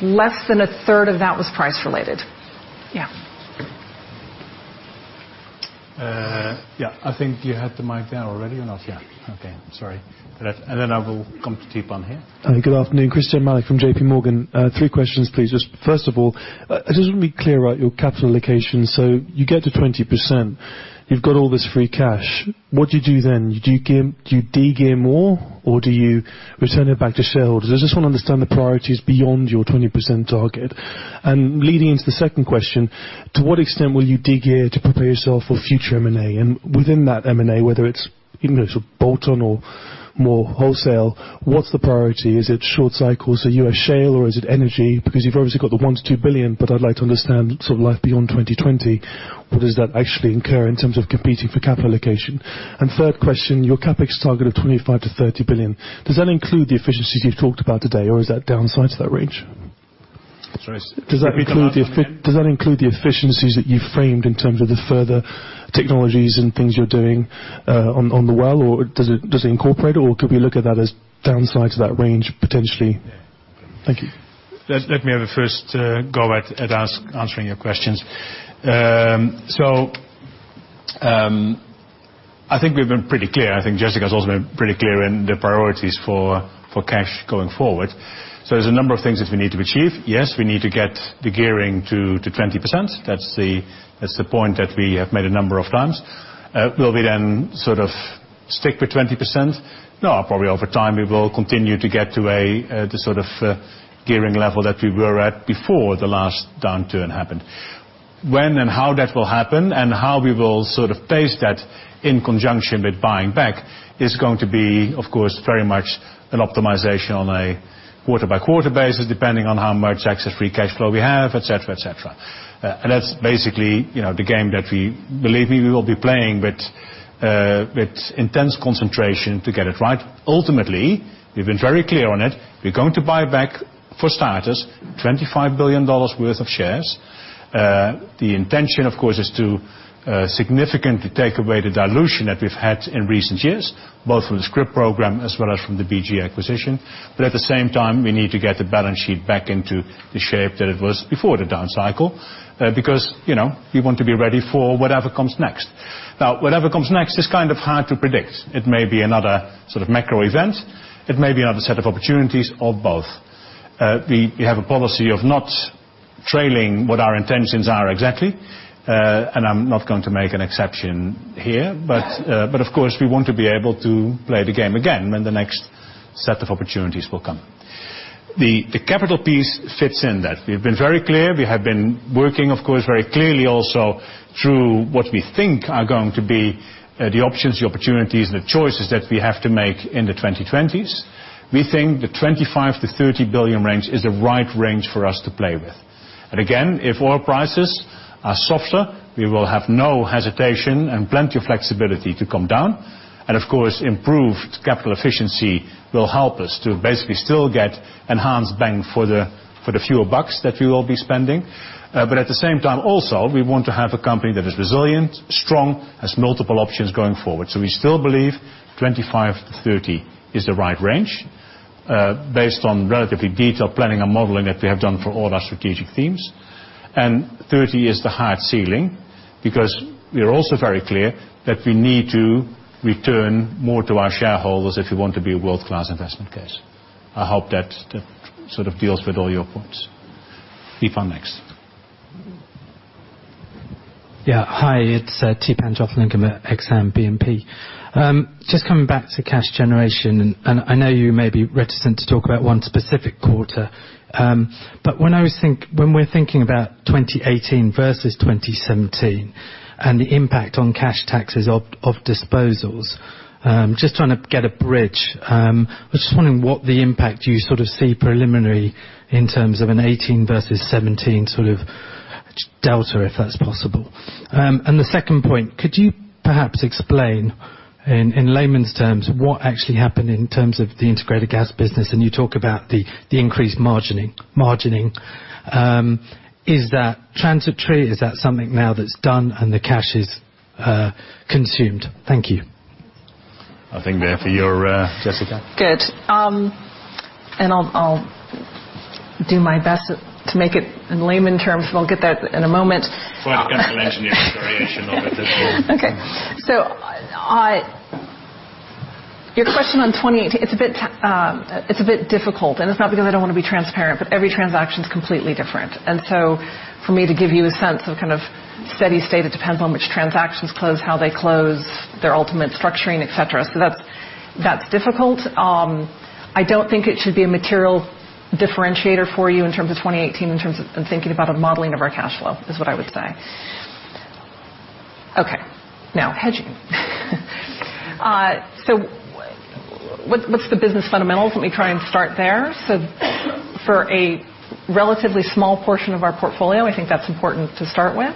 Less than a third of that was price related. Yeah. Yeah. I think you had the mic there already or not? Yeah. Okay. Sorry. I will come to Deepan here. Good afternoon, Christyan Malek from JP Morgan. Three questions, please. Just first of all, I just want to be clear about your capital allocation. You get to 20%, you've got all this free cash. What do you do then? Do you de-gear more, or do you return it back to shareholders? I just want to understand the priorities beyond your 20% target. Leading into the second question, to what extent will you de-gear to prepare yourself for future M&A? And within that M&A, whether it's bolt-on or more wholesale, what's the priority? Is it short cycle, so U.S. shale, or is it energy? Because you've obviously got the $1 billion-$2 billion, but I'd like to understand life beyond 2020. What does that actually incur in terms of competing for capital allocation? Third question, your CapEx target of $25 billion-$30 billion. Does that include the efficiencies you've talked about today, or is that downside to that range? Sorry. Come again? Does that include the efficiencies that you framed in terms of the further technologies and things you're doing on the well, or does it incorporate, or could we look at that as downside to that range, potentially? Thank you. Let me have a first go at answering your questions. I think we've been pretty clear. I think Jessica's also been pretty clear in the priorities for cash going forward. There's a number of things that we need to achieve. Yes, we need to get the gearing to 20%. That's the point that we have made a number of times. Will we then sort of stick with 20%? No. Probably over time, we will continue to get to a sort of gearing level that we were at before the last downturn happened. When and how that will happen, and how we will sort of pace that in conjunction with buying back is going to be, of course, very much an optimization on a quarter-by-quarter basis, depending on how much excess free cash flow we have, et cetera. That's basically the game that, believe me, we will be playing with intense concentration to get it right. Ultimately, we've been very clear on it, we're going to buy back, for starters, $25 billion worth of shares. The intention, of course, is to significantly take away the dilution that we've had in recent years, both from the scrip program as well as from the BG acquisition. At the same time, we need to get the balance sheet back into the shape that it was before the down cycle, because we want to be ready for whatever comes next. Whatever comes next is kind of hard to predict. It may be another sort of macro event. It may be another set of opportunities, or both. We have a policy of not trailing what our intentions are exactly, and I'm not going to make an exception here. Yeah. Of course, we want to be able to play the game again when the next set of opportunities will come. The capital piece fits in that. We've been very clear. We have been working, of course, very clearly also through what we think are going to be the options, the opportunities, the choices that we have to make in the 2020s. We think the $25 billion-$30 billion range is the right range for us to play with. And again, if oil prices are softer, we will have no hesitation and plenty of flexibility to come down. Of course, improved capital efficiency will help us to basically still get enhanced bang for the fewer bucks that we will be spending. At the same time, also, we want to have a company that is resilient, strong, has multiple options going forward. We still believe $25-$30 is the right range based on relatively detailed planning and modeling that we have done for all our strategic themes. And 30 is the hard ceiling, because we are also very clear that we need to return more to our shareholders if we want to be a world-class investment case. I hope that sort of deals with all your points. Theepan next. Hi, it's Theepan Jothilingam from Exane BNP. Just coming back to cash generation, and I know you may be reticent to talk about one specific quarter, but when we're thinking about 2018 versus 2017 and the impact on cash taxes of disposals, just trying to get a bridge. I was just wondering what the impact you sort of see preliminary in terms of a 2018 versus 2017 sort of delta, if that's possible. The second point, could you perhaps explain, in layman's terms, what actually happened in terms of the Integrated Gas business? And you talk about the increased margining. Is that transitory? Is that something now that's done and the cash is consumed? Thank you. I think there for you, Jessica. Good. I'll do my best to make it in layman terms. We'll get that in a moment. Find chemical engineering variation of it as well. Your question on 2018, it's a bit difficult, and it's not because I don't want to be transparent, but every transaction's completely different. For me to give you a sense of kind of steady state, it depends on which transactions close, how they close, their ultimate structuring, et cetera. That's difficult. I don't think it should be a material differentiator for you in terms of 2018, in terms of thinking about a modeling of our cash flow is what I would say. Okay. Now hedging. What's the business fundamentals? Let me try and start there. For a relatively small portion of our portfolio, I think that's important to start with.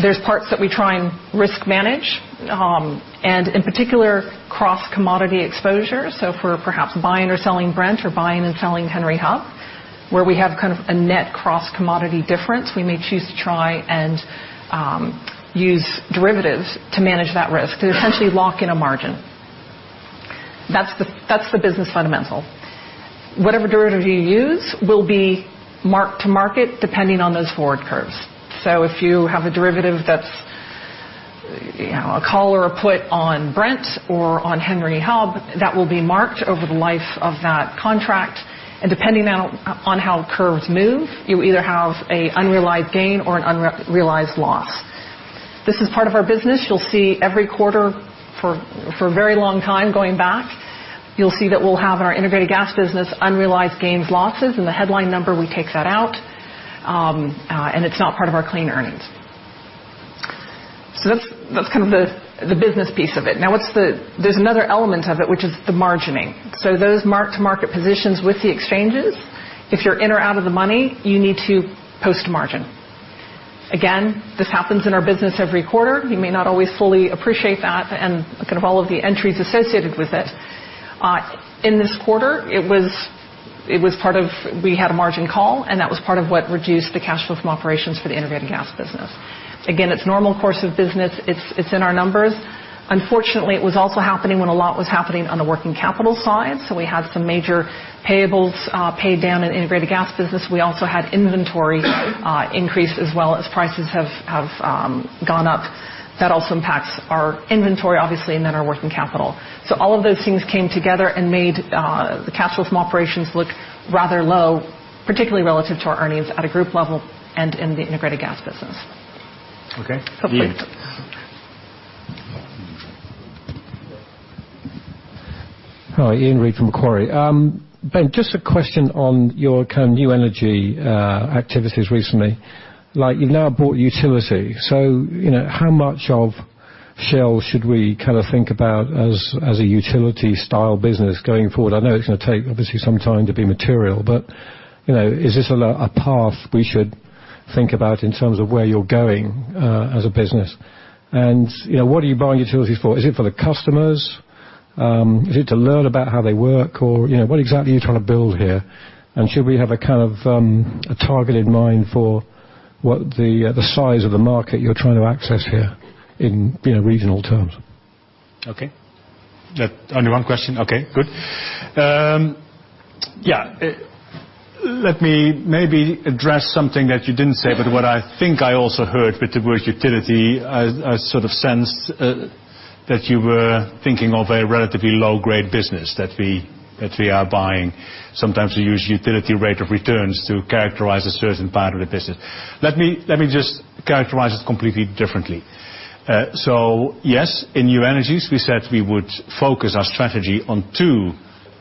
There's parts that we try and risk manage, and in particular, cross-commodity exposure. For perhaps buying or selling Brent or buying and selling Henry Hub, where we have kind of a net cross-commodity difference, we may choose to try and use derivatives to manage that risk, to essentially lock in a margin. That's the business fundamental. Whatever derivative you use will be marked to market, depending on those forward curves. If you have a derivative that's a call or a put on Brent or on Henry Hub, that will be marked over the life of that contract. Depending on how curves move, you either have a unrealized gain or an unrealized loss. This is part of our business. You'll see every quarter for a very long time going back, you'll see that we'll have in our Integrated Gas business unrealized gains, losses, in the headline number, we take that out, and it's not part of our clean earnings. That's kind of the business piece of it. There's another element of it, which is the margining. Those mark-to-market positions with the exchanges, if you're in or out of the money, you need to post a margin. This happens in our business every quarter. You may not always fully appreciate that and kind of all of the entries associated with it. In this quarter, it was part of, we had a margin call, and that was part of what reduced the cash flow from operations for the Integrated Gas business. It's normal course of business, it's in our numbers. Unfortunately, it was also happening when a lot was happening on the working capital side, so we had some major payables pay down in Integrated Gas business. We also had inventory increase, as well as prices have gone up. That also impacts our inventory, obviously, and then our working capital. All of those things came together and made the cash flow from operations look rather low, particularly relative to our earnings at a group level and in the Integrated Gas business. Okay. Iain. Hi, Iain Reid from Macquarie. Ben, just a question on your New Energies activities recently. You've now bought First Utility, how much of Shell should we think about as a utility style business going forward? I know it's going to take obviously some time to be material, but is this a path we should think about in terms of where you're going as a business? What are you buying utilities for? Is it for the customers? Is it to learn about how they work or what exactly are you trying to build here? Should we have a targeted mind for what the size of the market you're trying to access here in regional terms? Okay. Only one question? Okay, good. Let me maybe address something that you didn't say, but what I think I also heard with the word utility, I sort of sensed that you were thinking of a relatively low-grade business that we are buying. Sometimes we use utility rate of returns to characterize a certain part of the business. Let me just characterize it completely differently. Yes, in New Energies, we said we would focus our strategy on two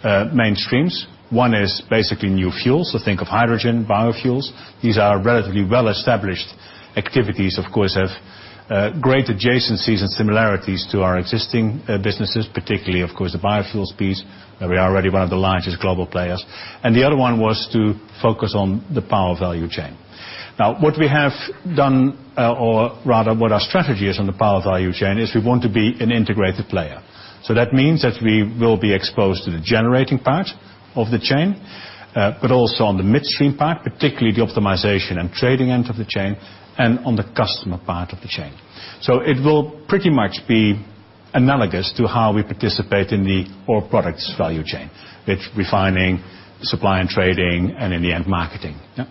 mainstreams. One is basically new fuels, think of hydrogen, biofuels. These are relatively well-established activities, of course, have great adjacencies and similarities to our existing businesses, particularly, of course, the biofuels piece, where we are already one of the largest global players. The other one was to focus on the power value chain. What we have done, or rather what our strategy is on the power value chain, is we want to be an integrated player. That means that we will be exposed to the generating part of the chain, but also on the midstream part, particularly the optimization and trading end of the chain, and on the customer part of the chain. It will pretty much be analogous to how we participate in the oil products value chain with refining, supply and trading, and in the end, marketing. Yeah.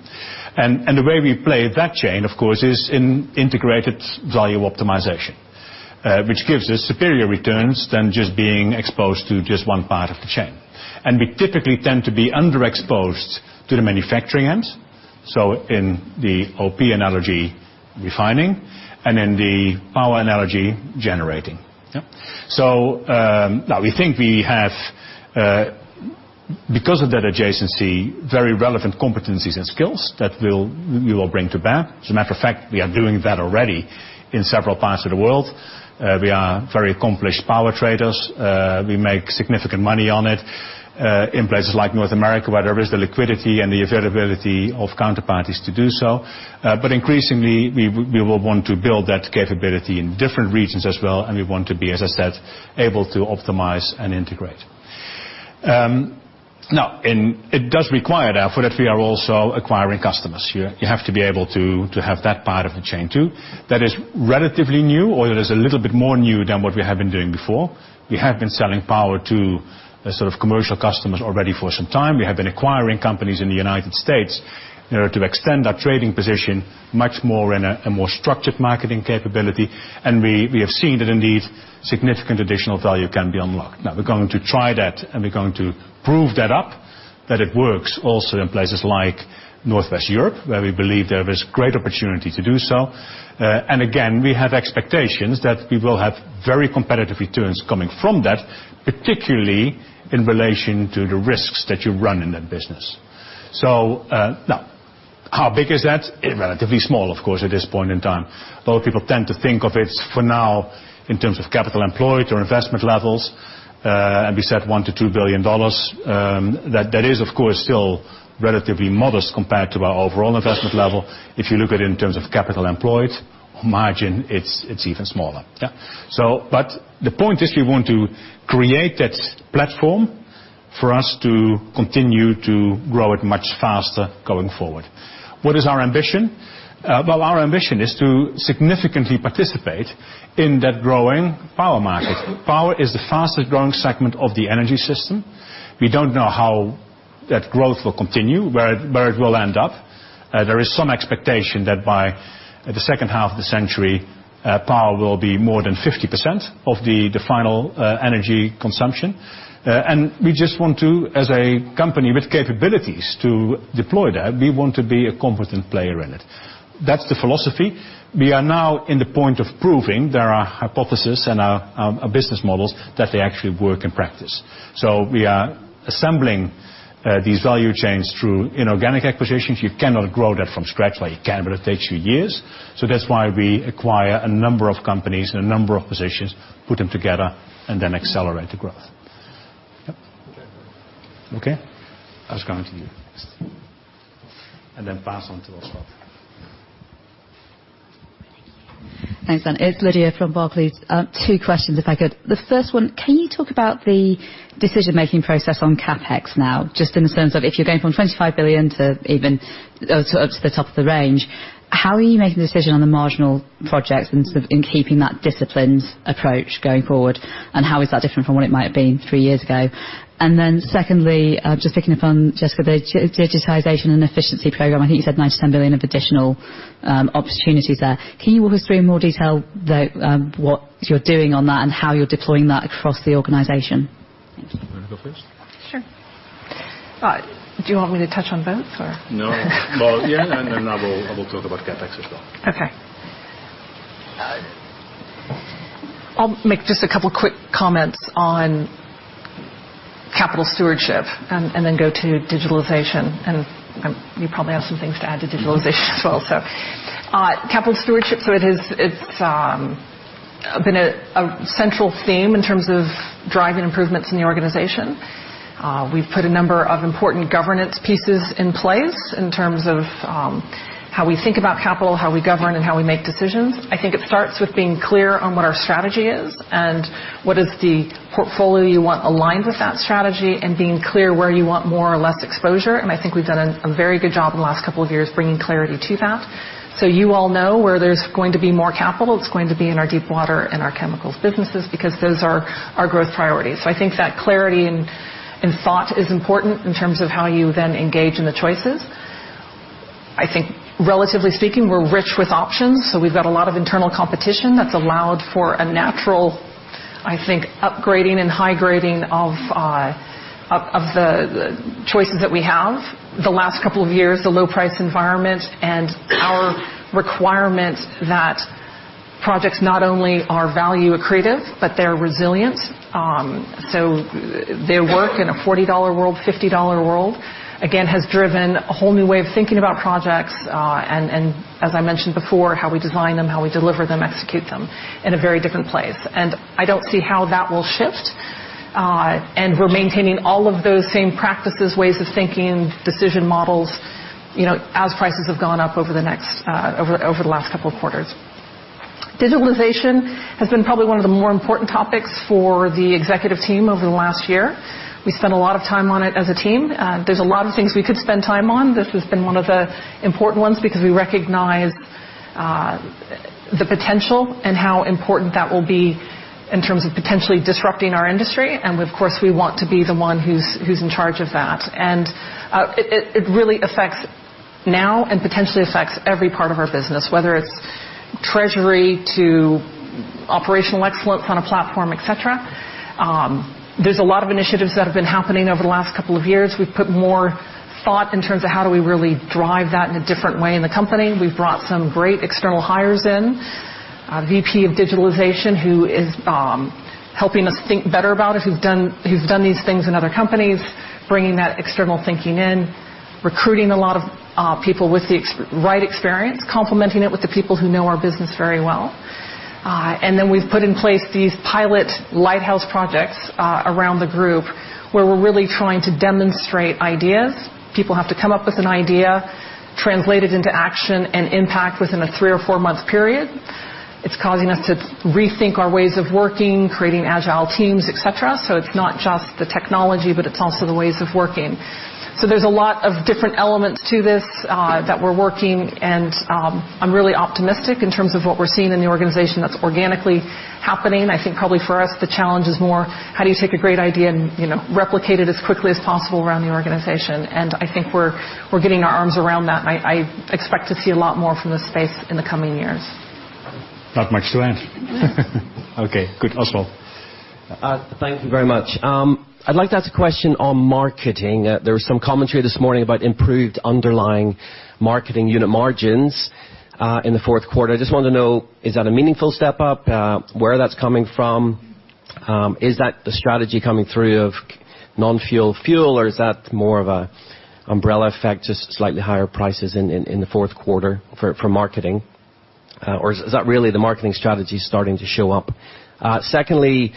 The way we play that chain, of course, is in integrated value optimization, which gives us superior returns than just being exposed to just one part of the chain. We typically tend to be underexposed to the manufacturing end, in the OP analogy, refining, and in the power analogy, generating. Yeah. We think we have, because of that adjacency, very relevant competencies and skills that we will bring to bear. As a matter of fact, we are doing that already in several parts of the world. We are very accomplished power traders. We make significant money on it in places like North America, where there is the liquidity and the availability of counterparties to do so. Increasingly, we will want to build that capability in different regions as well, and we want to be, as I said, able to optimize and integrate. It does require, therefore, that we are also acquiring customers here. You have to be able to have that part of the chain, too. That is relatively new, or that is a little bit more new than what we have been doing before. We have been selling power to commercial customers already for some time. We have been acquiring companies in the U.S. in order to extend our trading position much more in a more structured marketing capability. We have seen that indeed, significant additional value can be unlocked. We're going to try that and we're going to prove that up, that it works also in places like Northwest Europe, where we believe there is great opportunity to do so. Again, we have expectations that we will have very competitive returns coming from that, particularly in relation to the risks that you run in that business. How big is that? Relatively small, of course, at this point in time. A lot of people tend to think of it for now in terms of capital employed or investment levels. We said $1 billion-$2 billion. That is, of course, still relatively modest compared to our overall investment level. If you look at it in terms of capital employed margin, it's even smaller. Yeah. The point is we want to create that platform for us to continue to grow it much faster going forward. What is our ambition? Our ambition is to significantly participate in that growing power market. Power is the fastest growing segment of the energy system. We don't know how that growth will continue, where it will end up. There is some expectation that by the second half of the century, power will be more than 50% of the final energy consumption. We just want to, as a company with capabilities to deploy that, we want to be a competent player in it. That's the philosophy. We are now in the point of proving there are hypothesis and our business models that they actually work in practice. We are assembling these value chains through inorganic acquisitions. You cannot grow that from scratch like you can, but it takes you years. That's why we acquire a number of companies and a number of positions, put them together, and then accelerate the growth. Yep. Okay. I was coming to you. Pass on to Oswald. Thanks, Ben. It's Lydia from Barclays. Two questions if I could. The first one, can you talk about the decision-making process on CapEx now, just in the sense of if you're going from $25 billion to up to the top of the range. How are you making the decision on the marginal projects in keeping that disciplined approach going forward, and how is that different from what it might have been three years ago? Secondly, just picking up on Jessica, the digitization and efficiency program, I think you said *inaudible* of additional opportunities there. Can you walk us through in more detail what you're doing on that and how you're deploying that across the organization? Thanks. You want to go first? Sure. Do you want me to touch on both or? No. Well, yeah, then I will talk about CapEx as well. Okay. I'll make just a couple quick comments on capital stewardship and then go to digitalization. You probably have some things to add to digitalization as well. Capital stewardship, it's been a central theme in terms of driving improvements in the organization. We've put a number of important governance pieces in place in terms of how we think about capital, how we govern, and how we make decisions. I think it starts with being clear on what our strategy is and what is the portfolio you want aligned with that strategy and being clear where you want more or less exposure. I think we've done a very good job in the last couple of years bringing clarity to that. You all know where there's going to be more capital. It's going to be in our Deepwater and our chemicals businesses because those are our growth priorities. I think that clarity and thought is important in terms of how you then engage in the choices. I think relatively speaking, we're rich with options, we've got a lot of internal competition that's allowed for a natural, I think, upgrading and high-grading of the choices that we have. The last couple of years, the low-price environment and our requirement that projects not only are value accretive, but they're resilient. They work in a $40 world, $50 world, again, has driven a whole new way of thinking about projects, and as I mentioned before, how we design them, how we deliver them, execute them in a very different place. I don't see how that will shift. We're maintaining all of those same practices, ways of thinking, decision models, as prices have gone up over the last couple of quarters. Digitalization has been probably one of the more important topics for the executive team over the last year. We spent a lot of time on it as a team. There's a lot of things we could spend time on. This has been one of the important ones because we recognize the potential and how important that will be in terms of potentially disrupting our industry. Of course, we want to be the one who's in charge of that. It really affects now and potentially affects every part of our business, whether it's treasury to operational excellence on a platform, et cetera. There's a lot of initiatives that have been happening over the last couple of years. We've put more thought in terms of how do we really drive that in a different way in the company. We've brought some great external hires in, a VP of digitalization, who is helping us think better about it, who's done these things in other companies, bringing that external thinking in. Recruiting a lot of people with the right experience, complementing it with the people who know our business very well. We've put in place these pilot lighthouse projects around the group where we're really trying to demonstrate ideas. People have to come up with an idea, translate it into action and impact within a three or four month period. It's causing us to rethink our ways of working, creating agile teams, et cetera. It's not just the technology, but it's also the ways of working. There's a lot of different elements to this that we're working, and I'm really optimistic in terms of what we're seeing in the organization that's organically happening. I think probably for us, the challenge is more how do you take a great idea and replicate it as quickly as possible around the organization? I think we're getting our arms around that, and I expect to see a lot more from this space in the coming years. Not much to add. Okay, good. Oswald. Thank you very much. I'd like to ask a question on marketing. There was some commentary this morning about improved underlying marketing unit margins in the fourth quarter. I just wanted to know, is that a meaningful step up? Where that's coming from? Is that the strategy coming through of non-fuel or is that more of an umbrella effect, just slightly higher prices in the fourth quarter for marketing? Or is that really the marketing strategy starting to show up? Secondly,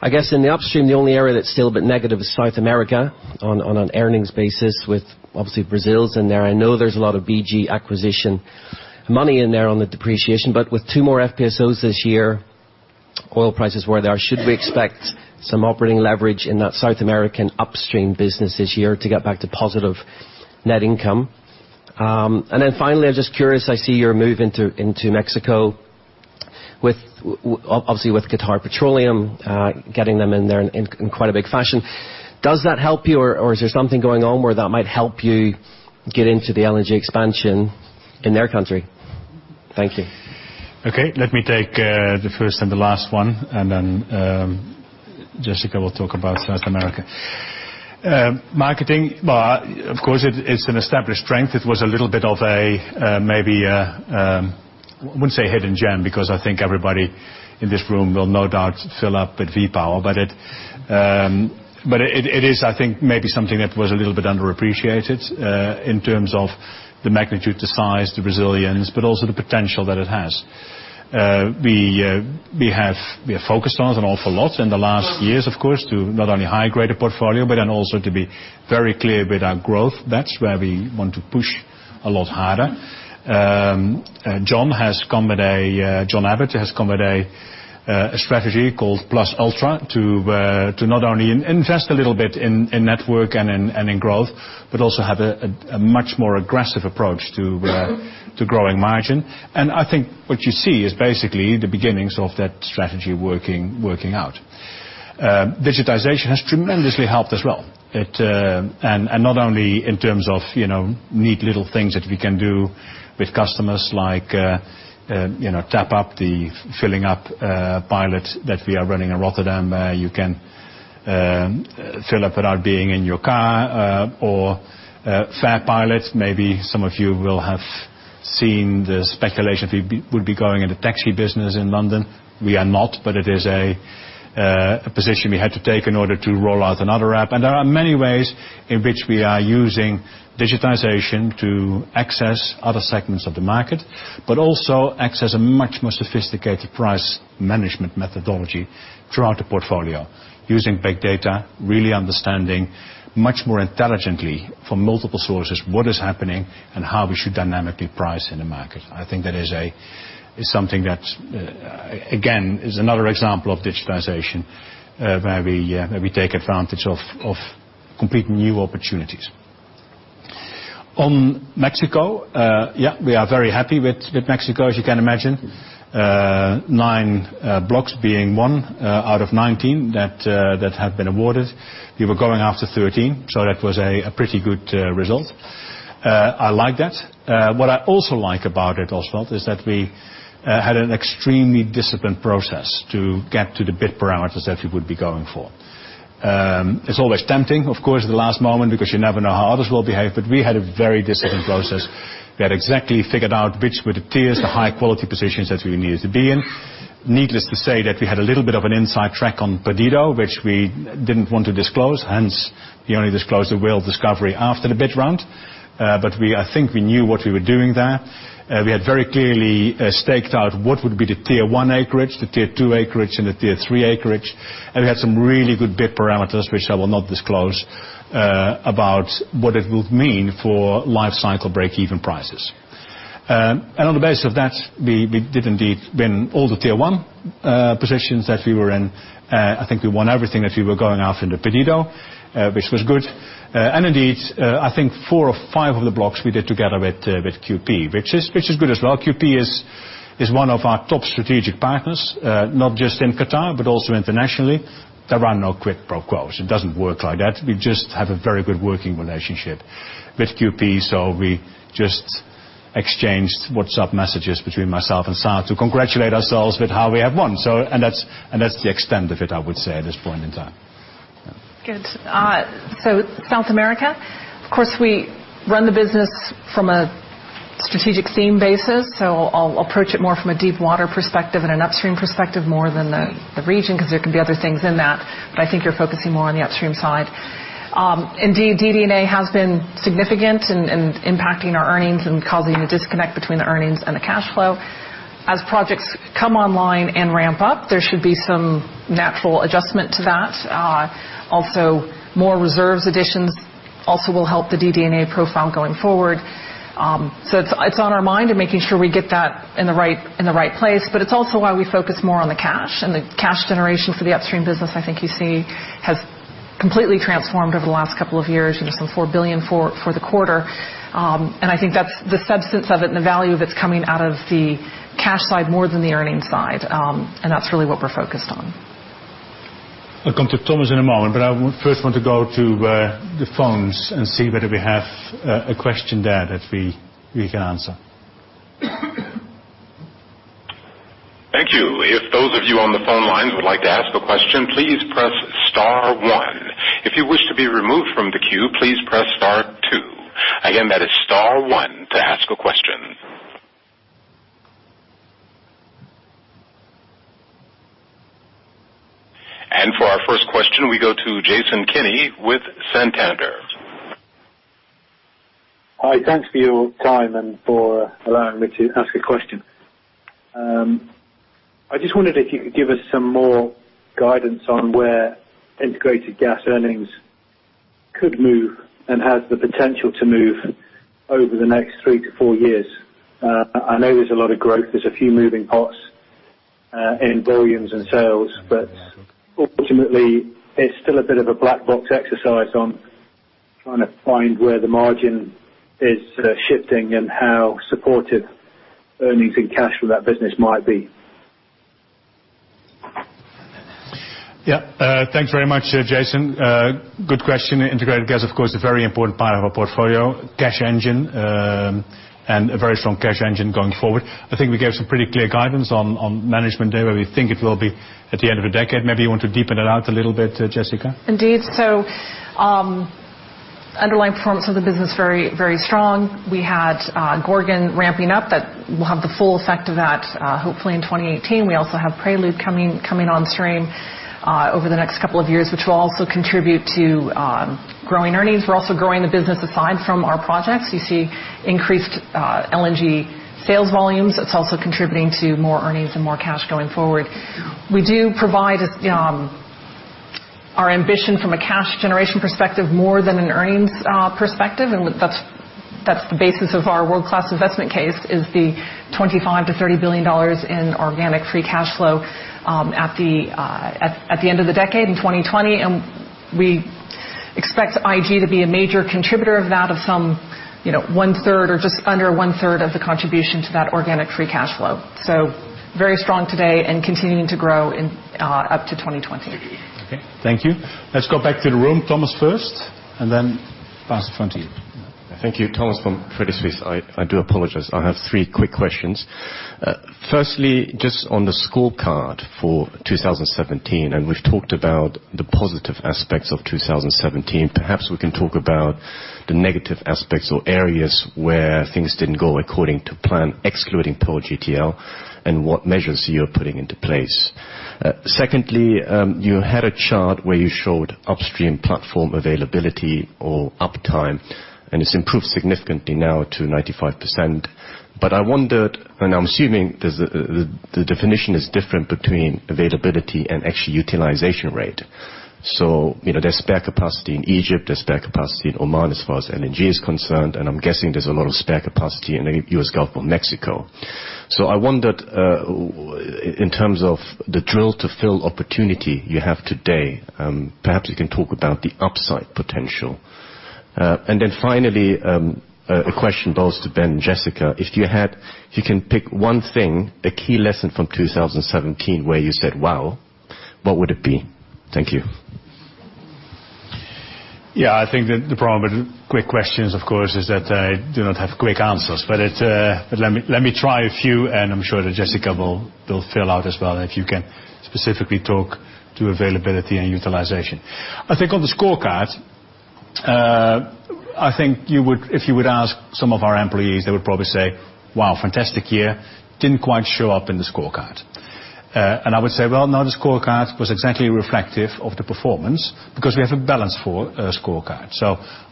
I guess in the Upstream, the only area that's still a bit negative is South America on an earnings basis with obviously Brazil's in there. I know there's a lot of BG acquisition money in there on the depreciation. With two more FPSOs this year, oil prices where they are, should we expect some operating leverage in that South American Upstream business this year to get back to positive net income? Finally, I'm just curious, I see your move into Mexico obviously with Qatar Petroleum, getting them in there in quite a big fashion. Does that help you or is there something going on where that might help you get into the LNG expansion in their country? Thank you. Okay, let me take the first and the last one, Jessica will talk about South America. Marketing, of course, it's an established strength. It was a little bit of a, maybe I wouldn't say hidden gem because I think everybody in this room will no doubt fill up with V-Power. It is, I think, maybe something that was a little bit underappreciated, in terms of the magnitude, the size, the resilience, but also the potential that it has. We have focused on an awful lot in the last years, of course, to not only high-grade a portfolio, also to be very clear with our growth. That's where we want to push a lot harder. John Abbott has come with a strategy called Plus Ultra to not only invest a little bit in network and in growth, but also have a much more aggressive approach to growing margin. I think what you see is basically the beginnings of that strategy working out. Digitization has tremendously helped as well. Not only in terms of neat little things that we can do with customers like TapUp, the filling up pilot that we are running in Rotterdam. You can fill up without being in your car, or FarePilots. Maybe some of you will have seen the speculation we would be going in the taxi business in London. We are not, but it is a position we had to take in order to roll out another app. There are many ways in which we are using digitization to access other segments of the market, but also access a much more sophisticated price management methodology throughout the portfolio using big data, really understanding much more intelligently from multiple sources what is happening and how we should dynamically price in the market. I think that is something that, again, is another example of digitization, where we take advantage of completely new opportunities. On Mexico, yeah, we are very happy with Mexico, as you can imagine. Nine blocks being one out of 19 that have been awarded. We were going after 13, so that was a pretty good result. I like that. What I also like about it, Oswald, is that we had an extremely disciplined process to get to the bid parameters that we would be going for. It's always tempting, of course, at the last moment, because you never know how others will behave, but we had a very disciplined process. We had exactly figured out which were the tiers, the high-quality positions that we needed to be in. Needless to say that we had a little bit of an inside track on Perdido, which we didn't want to disclose, hence we only disclosed the Whale discovery after the bid round. I think we knew what we were doing there. We had very clearly staked out what would be the tier 1 acreage, the tier 2 acreage, and the tier 3 acreage, and we had some really good bid parameters, which I will not disclose, about what it would mean for life cycle break-even prices. On the base of that, we did indeed win all the tier 1 positions that we were in. I think we won everything that we were going after in the Perdido, which was good. Indeed, I think four or five of the blocks we did together with QP, which is good as well. QP is one of our top strategic partners, not just in Qatar, but also internationally. There are no quid pros. It doesn't work like that. We just have a very good working relationship with QP, so we just exchanged WhatsApp messages between myself and Saad to congratulate ourselves with how we have won. That's the extent of it, I would say, at this point in time. Good. South America, of course, we run the business from a strategic theme basis, so I'll approach it more from a deep water perspective and an Upstream perspective more than the region, because there can be other things in that. I think you're focusing more on the Upstream side. Indeed, DD&A has been significant in impacting our earnings and causing a disconnect between the earnings and the cash flow. As projects come online and ramp up, there should be some natural adjustment to that. Also, more reserves additions also will help the DD&A profile going forward. It's on our mind and making sure we get that in the right place, but it's also why we focus more on the cash. The cash generation for the Upstream business, I think you see, has completely transformed over the last couple of years, some $4 billion for the quarter. I think that's the substance of it and the value of it's coming out of the cash side more than the earnings side. That's really what we're focused on. I'll come to Thomas in a moment, but I first want to go to the phones and see whether we have a question there that we can answer. Thank you. If those of you on the phone lines would like to ask a question, please press star one. If you wish to be removed from the queue, please press star two. Again, that is star one to ask a question. For our first question, we go to Jason Kenney with Santander. Hi, thanks for your time and for allowing me to ask a question. I just wondered if you could give us some more guidance on where Integrated Gas earnings could move and has the potential to move over the next three to four years. I know there's a lot of growth. There's a few moving parts in volumes and sales, but ultimately, it's still a bit of a black box exercise on trying to find where the margin is shifting and how supportive earnings and cash for that business might be. Yeah. Thanks very much, Jason. Good question. Integrated Gas, of course, a very important part of our portfolio, cash engine, and a very strong cash engine going forward. I think we gave some pretty clear guidance on management day where we think it will be at the end of the decade. Maybe you want to deepen it out a little bit, Jessica? Indeed. Underlying performance of the business, very strong. We had Gorgon ramping up. We'll have the full effect of that hopefully in 2018. We also have Prelude coming on stream over the next couple of years, which will also contribute to growing earnings. We're also growing the business aside from our projects. You see increased LNG sales volumes. It's also contributing to more earnings and more cash going forward. We do provide Our ambition from a cash generation perspective, more than an earnings perspective, and that's the basis of our world-class investment case is the $25 billion-$30 billion in organic free cash flow at the end of the decade, in 2020. We expect IG to be a major contributor of that, of some one third or just under one third of the contribution to that organic free cash flow. Very strong today and continuing to grow up to 2020. Okay, thank you. Let's go back to the room. Thomas first, and then pass the phone to you. Thank you. Thomas from Credit Suisse. I do apologize. I have three quick questions. Firstly, just on the scorecard for 2017, we've talked about the positive aspects of 2017. Perhaps we can talk about the negative aspects or areas where things didn't go according to plan, excluding Pearl GTL, and what measures you're putting into place. Secondly, you had a chart where you showed Upstream platform availability or uptime, and it's improved significantly now to 95%. I wondered, and I'm assuming the definition is different between availability and actually utilization rate. There's spare capacity in Egypt, there's spare capacity in Oman as far as LNG is concerned, and I'm guessing there's a lot of spare capacity in U.S. Gulf of Mexico. I wondered in terms of the drill to fill opportunity you have today, perhaps you can talk about the upside potential. Finally, a question both to Ben and Jessica. If you can pick one thing, a key lesson from 2017, where you said, "Wow," what would it be? Thank you. Yeah, I think that the problem with quick questions, of course, is that I do not have quick answers. Let me try a few, and I'm sure that Jessica will fill out as well, if you can specifically talk to availability and utilization. I think on the scorecard, I think if you would ask some of our employees, they would probably say, "Wow, fantastic year. Didn't quite show up in the scorecard." I would say, "Well, no, the scorecard was exactly reflective of the performance because we have a balance for a scorecard."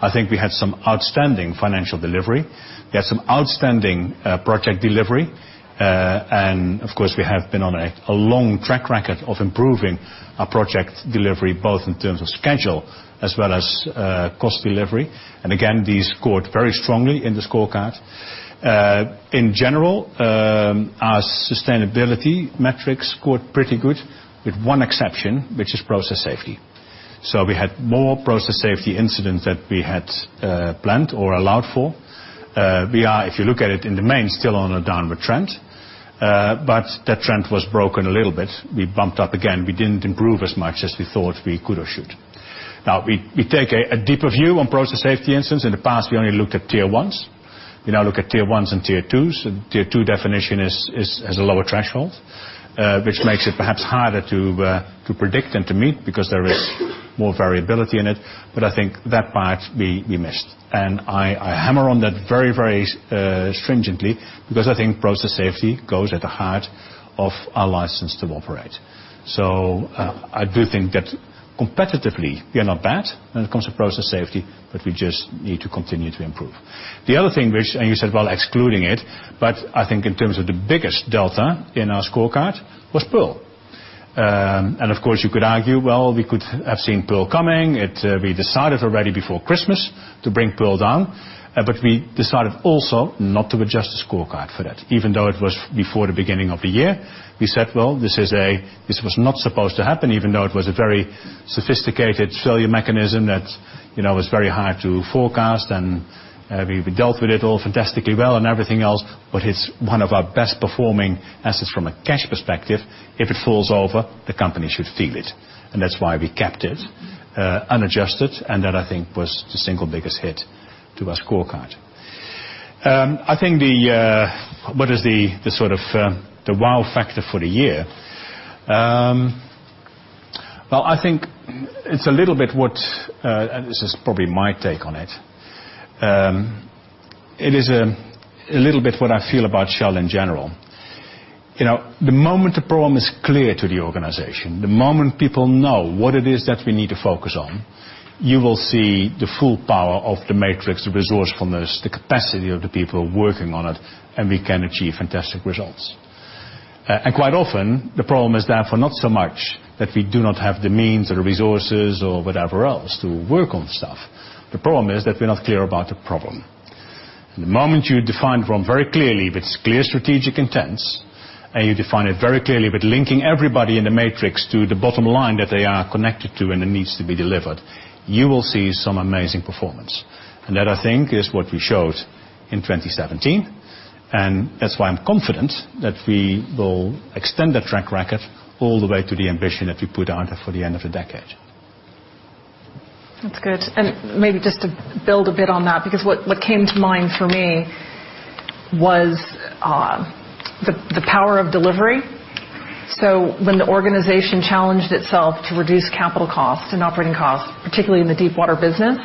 I think we had some outstanding financial delivery. We had some outstanding project delivery. Of course, we have been on a long track record of improving our project delivery, both in terms of schedule as well as cost delivery. Again, these scored very strongly in the scorecard. In general, our sustainability metrics scored pretty good, with one exception, which is process safety. We had more process safety incidents that we had planned or allowed for. We are, if you look at it in the main, still on a downward trend. That trend was broken a little bit. We bumped up again. We didn't improve as much as we thought we could or should. Now, we take a deeper view on process safety incidents. In the past, we only looked at tier 1s. We now look at tier 1s and tier 2s, and tier 2 definition has a lower threshold, which makes it perhaps harder to predict and to meet because there is more variability in it. I think that part we missed. I hammer on that very, very stringently because I think process safety goes at the heart of our license to operate. I do think that competitively, we are not bad when it comes to process safety, but we just need to continue to improve. The other thing which, and you said, well, excluding it, but I think in terms of the biggest delta in our scorecard was Pearl. Of course, you could argue, well, we could have seen Pearl coming. We decided already before Christmas to bring Pearl down. We decided also not to adjust the scorecard for that. Even though it was before the beginning of the year, we said, "Well, this was not supposed to happen," even though it was a very sophisticated failure mechanism that was very hard to forecast, and we dealt with it all fantastically well and everything else. It's one of our best performing assets from a cash perspective. If it falls over, the company should feel it, and that's why we kept it unadjusted, and that, I think, was the single biggest hit to our scorecard. I think what is the sort of the wow factor for the year, well, I think it's a little bit what. This is probably my take on it. It is a little bit what I feel about Shell in general. The moment the problem is clear to the organization, the moment people know what it is that we need to focus on, you will see the full power of the matrix, the resourcefulness, the capacity of the people working on it, and we can achieve fantastic results. Quite often, the problem is therefore not so much that we do not have the means or the resources or whatever else to work on stuff. The problem is that we're not clear about the problem. The moment you define the problem very clearly with clear strategic intents, and you define it very clearly with linking everybody in the matrix to the bottom line that they are connected to and it needs to be delivered, you will see some amazing performance. That, I think, is what we showed in 2017, and that's why I'm confident that we will extend that track record all the way to the ambition that we put out for the end of the decade. That's good. Maybe just to build a bit on that, because what came to mind for me was the power of delivery. When the organization challenged itself to reduce capital costs and operating costs, particularly in the deep water business,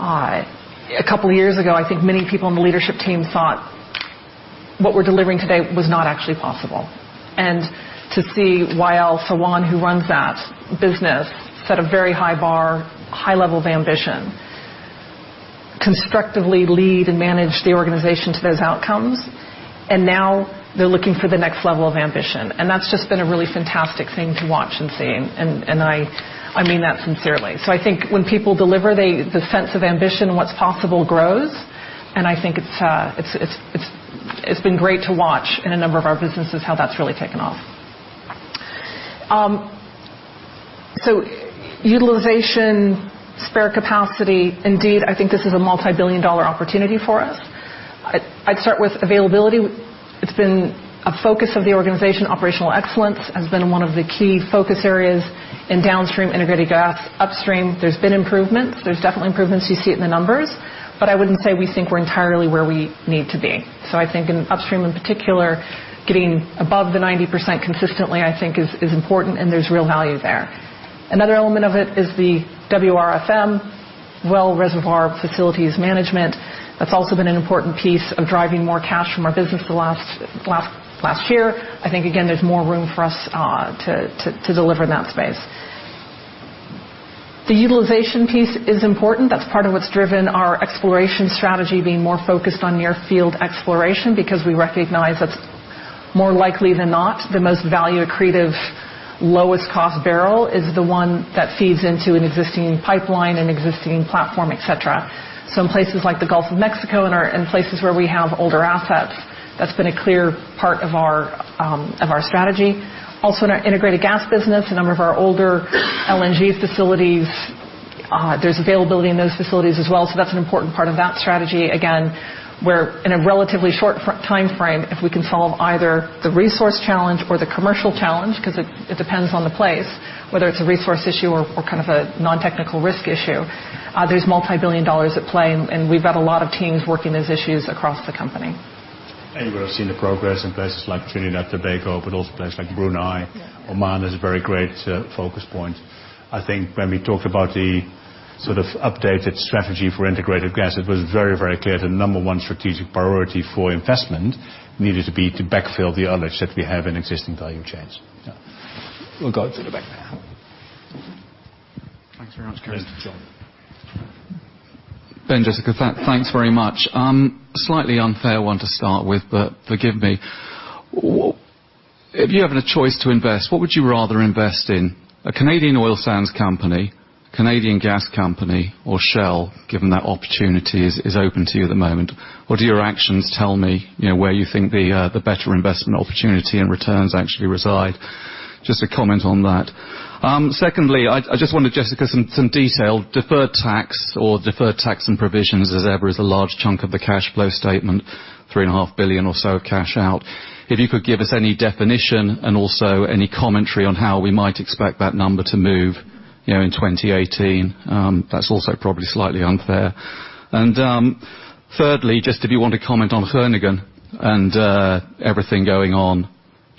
a couple years ago, I think many people on the leadership team thought what we're delivering today was not actually possible. To see Wael Sawan, who runs that business, set a very high bar, high level of ambition. Constructively lead and manage the organization to those outcomes. Now they're looking for the next level of ambition. That's just been a really fantastic thing to watch and see. I mean that sincerely. I think when people deliver, the sense of ambition and what's possible grows. I think it's been great to watch in a number of our businesses how that's really taken off. Utilization, spare capacity, indeed, I think this is a multibillion-dollar opportunity for us. I'd start with availability. It's been a focus of the organization. Operational excellence has been one of the key focus areas in Downstream Integrated Gas. Upstream, there's been improvements. There's definitely improvements. You see it in the numbers, but I wouldn't say we think we're entirely where we need to be. I think in Upstream in particular, getting above the 90% consistently, I think is important and there's real value there. Another element of it is the WRFM, Well Reservoir Facilities Management. That's also been an important piece of driving more cash from our business the last year. I think, again, there's more room for us to deliver in that space. The utilization piece is important. That's part of what's driven our exploration strategy, being more focused on near-field exploration because we recognize that's more likely than not the most value accretive, lowest cost barrel is the one that feeds into an existing pipeline and existing platform, et cetera. Some places like the Gulf of Mexico and places where we have older assets, that's been a clear part of our strategy. Also in our Integrated Gas business, a number of our older LNG facilities, there's availability in those facilities as well, so that's an important part of that strategy. Again, where in a relatively short time frame, if we can solve either the resource challenge or the commercial challenge, because it depends on the place, whether it's a resource issue or kind of a non-technical risk issue. There's multibillion dollars at play and we've got a lot of teams working those issues across the company. You will have seen the progress in places like Trinidad and Tobago, but also places like Brunei. Yeah Oman is a very great focus point. I think when we talk about the sort of updated strategy for Integrated Gas, it was very, very clear the number one strategic priority for investment needed to be to backfill the others that we have in existing value chains. Yeah. We'll go to the back now. Thanks very much, Karen. Yes, John. Ben, Jessica, thanks very much. Slightly unfair one to start with, but forgive me. If you're having a choice to invest, what would you rather invest in? A Canadian oil sands company, Canadian gas company, or Shell, given that opportunity is open to you at the moment? Or do your actions tell me where you think the better investment opportunity and returns actually reside? Just a comment on that. Secondly, I just wonder, Jessica, some detail. Deferred tax or deferred tax and provisions, as ever, is a large chunk of the cash flow statement, $three and a half billion or so cash out. If you could give us any definition and also any commentary on how we might expect that number to move in 2018. That's also probably slightly unfair. Thirdly, just if you want to comment on Groningen and everything going on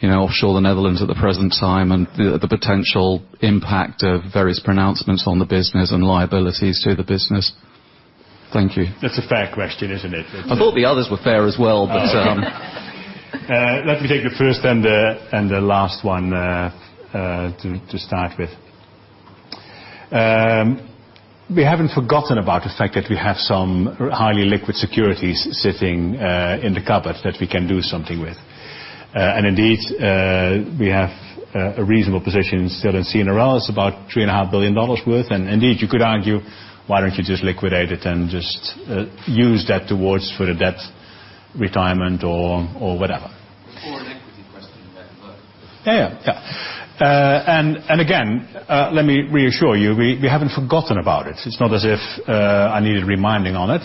offshore the Netherlands at the present time and the potential impact of various pronouncements on the business and liabilities to the business. Thank you. That's a fair question, isn't it? I thought the others were fair as well. Let me take the first and the last one to start with. We haven't forgotten about the fact that we have some highly liquid securities sitting in the cupboard that we can do something with. Indeed, we have a reasonable position still in CNRL's about $3.5 billion worth. Indeed, you could argue, why don't you just liquidate it and just use that towards for a debt retirement or whatever. It's more an equity question than debt. Again, let me reassure you, we haven't forgotten about it. It's not as if I needed reminding on it.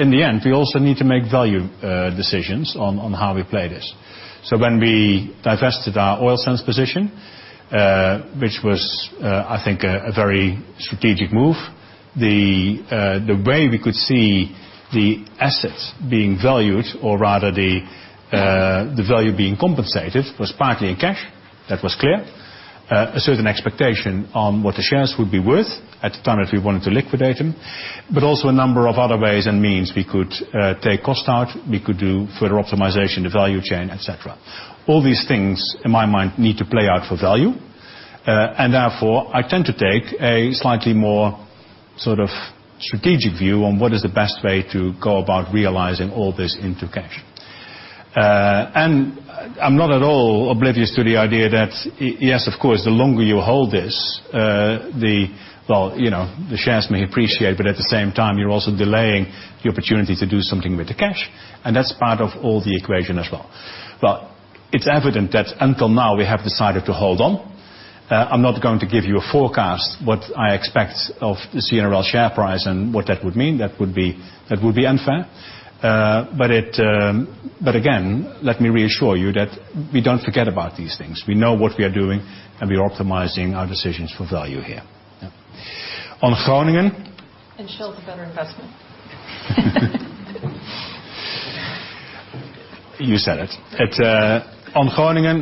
In the end, we also need to make value decisions on how we play this. When we divested our oil sands position, which was, I think, a very strategic move, the way we could see the assets being valued or rather the value being compensated was partly in cash. That was clear. A certain expectation on what the shares would be worth at the time if we wanted to liquidate them, but also a number of other ways and means we could take cost out, we could do further optimization, the value chain, et cetera. All these things, in my mind, need to play out for value, therefore I tend to take a slightly more sort of strategic view on what is the best way to go about realizing all this into cash. I'm not at all oblivious to the idea that, yes, of course, the longer you hold this, the shares may appreciate, but at the same time, you're also delaying the opportunity to do something with the cash, and that's part of all the equation as well. It's evident that until now, we have decided to hold on. I'm not going to give you a forecast what I expect of the CNRL share price and what that would mean. That would be unfair. Again, let me reassure you that we don't forget about these things. We know what we are doing, we are optimizing our decisions for value here. On Groningen- Shell's a better investment. You said it. On Groningen,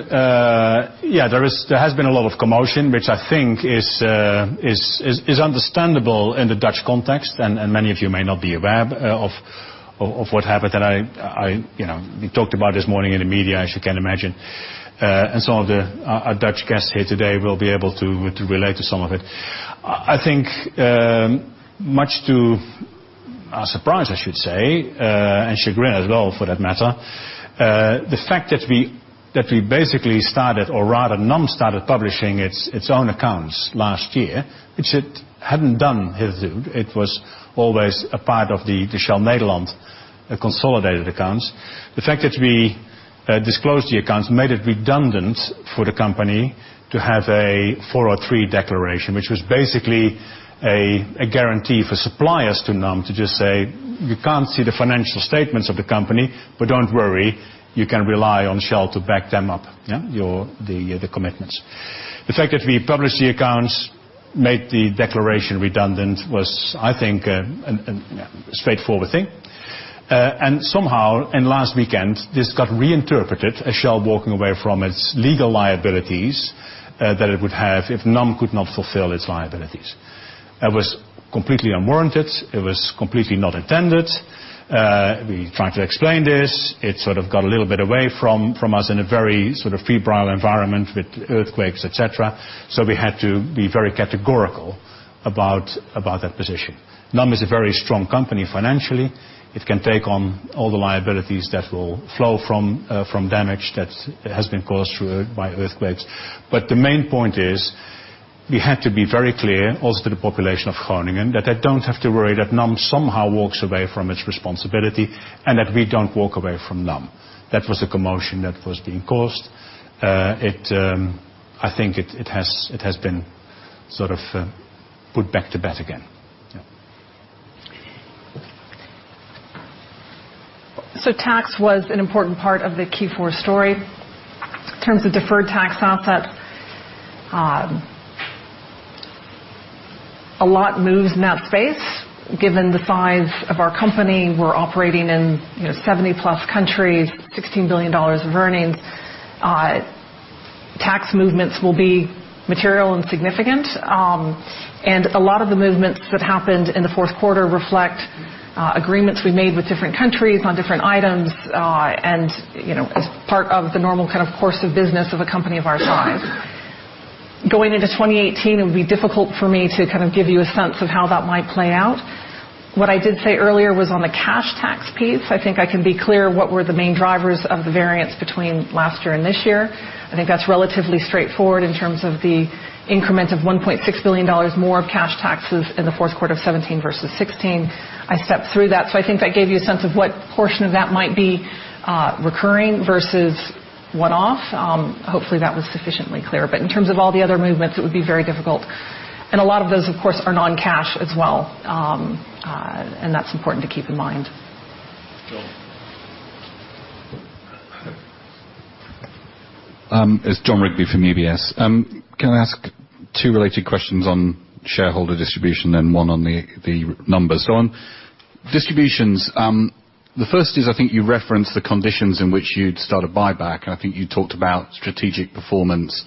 yeah, there has been a lot of commotion, which I think is understandable in the Dutch context, and many of you may not be aware of what happened that we talked about this morning in the media, as you can imagine. Some of our Dutch guests here today will be able to relate to some of it. I think much to our surprise, I should say, and chagrin as well, for that matter, the fact that we basically started, or rather NAM started publishing its own accounts last year, which it hadn't done hitherto. It was always a part of the Shell Nederland consolidated accounts. The fact that we disclosed the accounts made it redundant for the company to have a 403 declaration, which was basically a guarantee for suppliers to NAM to just say, "You can't see the financial statements of the company, but don't worry, you can rely on Shell to back them up," the commitments. The fact that we published the accounts made the declaration redundant was, I think, a straightforward thing. Somehow, in last weekend, this got reinterpreted as Shell walking away from its legal liabilities that it would have if NAM could not fulfill its liabilities. It was completely unwarranted. It was completely not intended. We tried to explain this. It sort of got a little bit away from us in a very sort of febrile environment with earthquakes, et cetera. We had to be very categorical about that position. NAM is a very strong company financially. It can take on all the liabilities that will flow from damage that has been caused by earthquakes. The main point is, we had to be very clear, also to the population of Groningen, that they don't have to worry that NAM somehow walks away from its responsibility and that we don't walk away from NAM. That was the commotion that was being caused. I think it has been sort of put back to bed again. Yeah. Tax was an important part of the Q4 story. In terms of deferred tax asset, a lot moves in that space given the size of our company. We're operating in 70-plus countries, $16 billion of earnings. Tax movements will be material and significant. A lot of the movements that happened in the fourth quarter reflect agreements we made with different countries on different items, and as part of the normal kind of course of business of a company of our size. Going into 2018, it would be difficult for me to kind of give you a sense of how that might play out. What I did say earlier was on the cash tax piece, I think I can be clear what were the main drivers of the variance between last year and this year. I think that's relatively straightforward in terms of the increment of $1.6 billion more of cash taxes in the fourth quarter of 2017 versus 2016. I stepped through that. I think that gave you a sense of what portion of that might be recurring versus one-off. Hopefully, that was sufficiently clear. In terms of all the other movements, it would be very difficult. A lot of those, of course, are non-cash as well. That's important to keep in mind. John. It's Jon Rigby from UBS. Can I ask two related questions on shareholder distribution and one on the numbers? On distributions, the first is, I think you referenced the conditions in which you'd start a buyback, and I think you talked about strategic performance,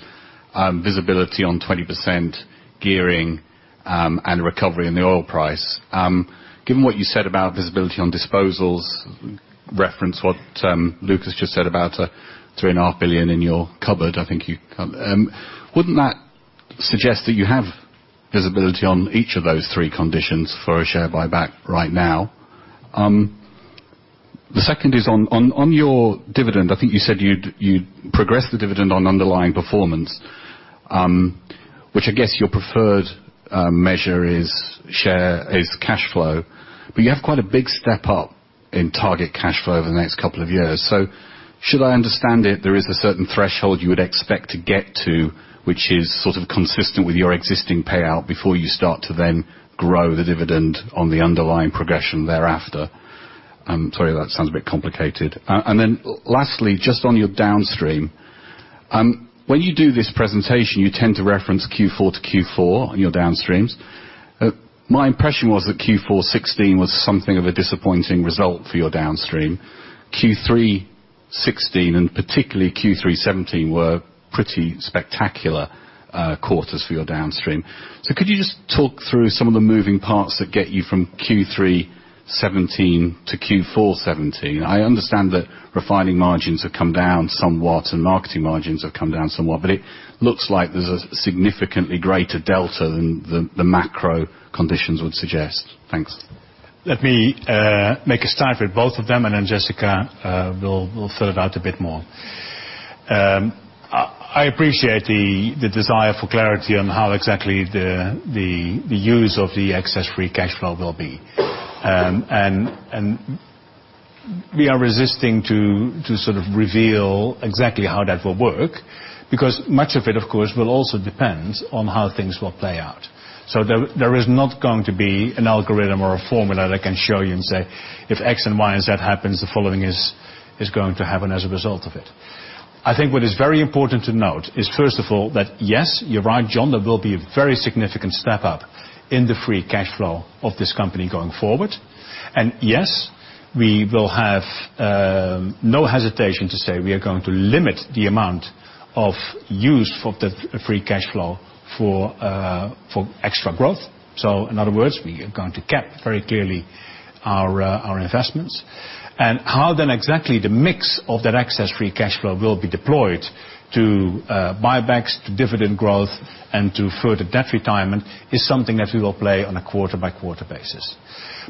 visibility on 20% gearing, and recovery in the oil price. Given what you said about visibility on disposals, reference what Lucas just said about $3.5 billion in your cupboard, wouldn't that suggest that you have visibility on each of those three conditions for a share buyback right now? The second is on your dividend. I think you said you'd progress the dividend on underlying performance, which I guess your preferred measure is cash flow. You have quite a big step up in target cash flow over the next couple of years. Should I understand it, there is a certain threshold you would expect to get to, which is sort of consistent with your existing payout before you start to then grow the dividend on the underlying progression thereafter? I'm sorry if that sounds a bit complicated. Then lastly, just on your Downstream. When you do this presentation, you tend to reference Q4 to Q4 on your Downstreams. My impression was that Q4 2016 was something of a disappointing result for your Downstream. Q3 2016, and particularly Q3 2017, were pretty spectacular quarters for your Downstream. Could you just talk through some of the moving parts that get you from Q3 2017 to Q4 2017? I understand that refining margins have come down somewhat and marketing margins have come down somewhat, it looks like there's a significantly greater delta than the macro conditions would suggest. Thanks. Let me make a start with both of them, then Jessica will fill it out a bit more. I appreciate the desire for clarity on how exactly the use of the excess free cash flow will be. We are resisting to sort of reveal exactly how that will work because much of it, of course, will also depend on how things will play out. There is not going to be an algorithm or a formula that I can show you and say, "If X and Y and Z happens, the following is going to happen as a result of it." I think what is very important to note is, first of all, that yes, you're right, Jon, there will be a very significant step up in the free cash flow of this company going forward. Yes, we will have no hesitation to say we are going to limit the amount of use of the free cash flow for extra growth. In other words, we are going to cap, very clearly, our investments. How then exactly the mix of that excess free cash flow will be deployed to buybacks, to dividend growth, and to further debt retirement, is something that we will play on a quarter-by-quarter basis.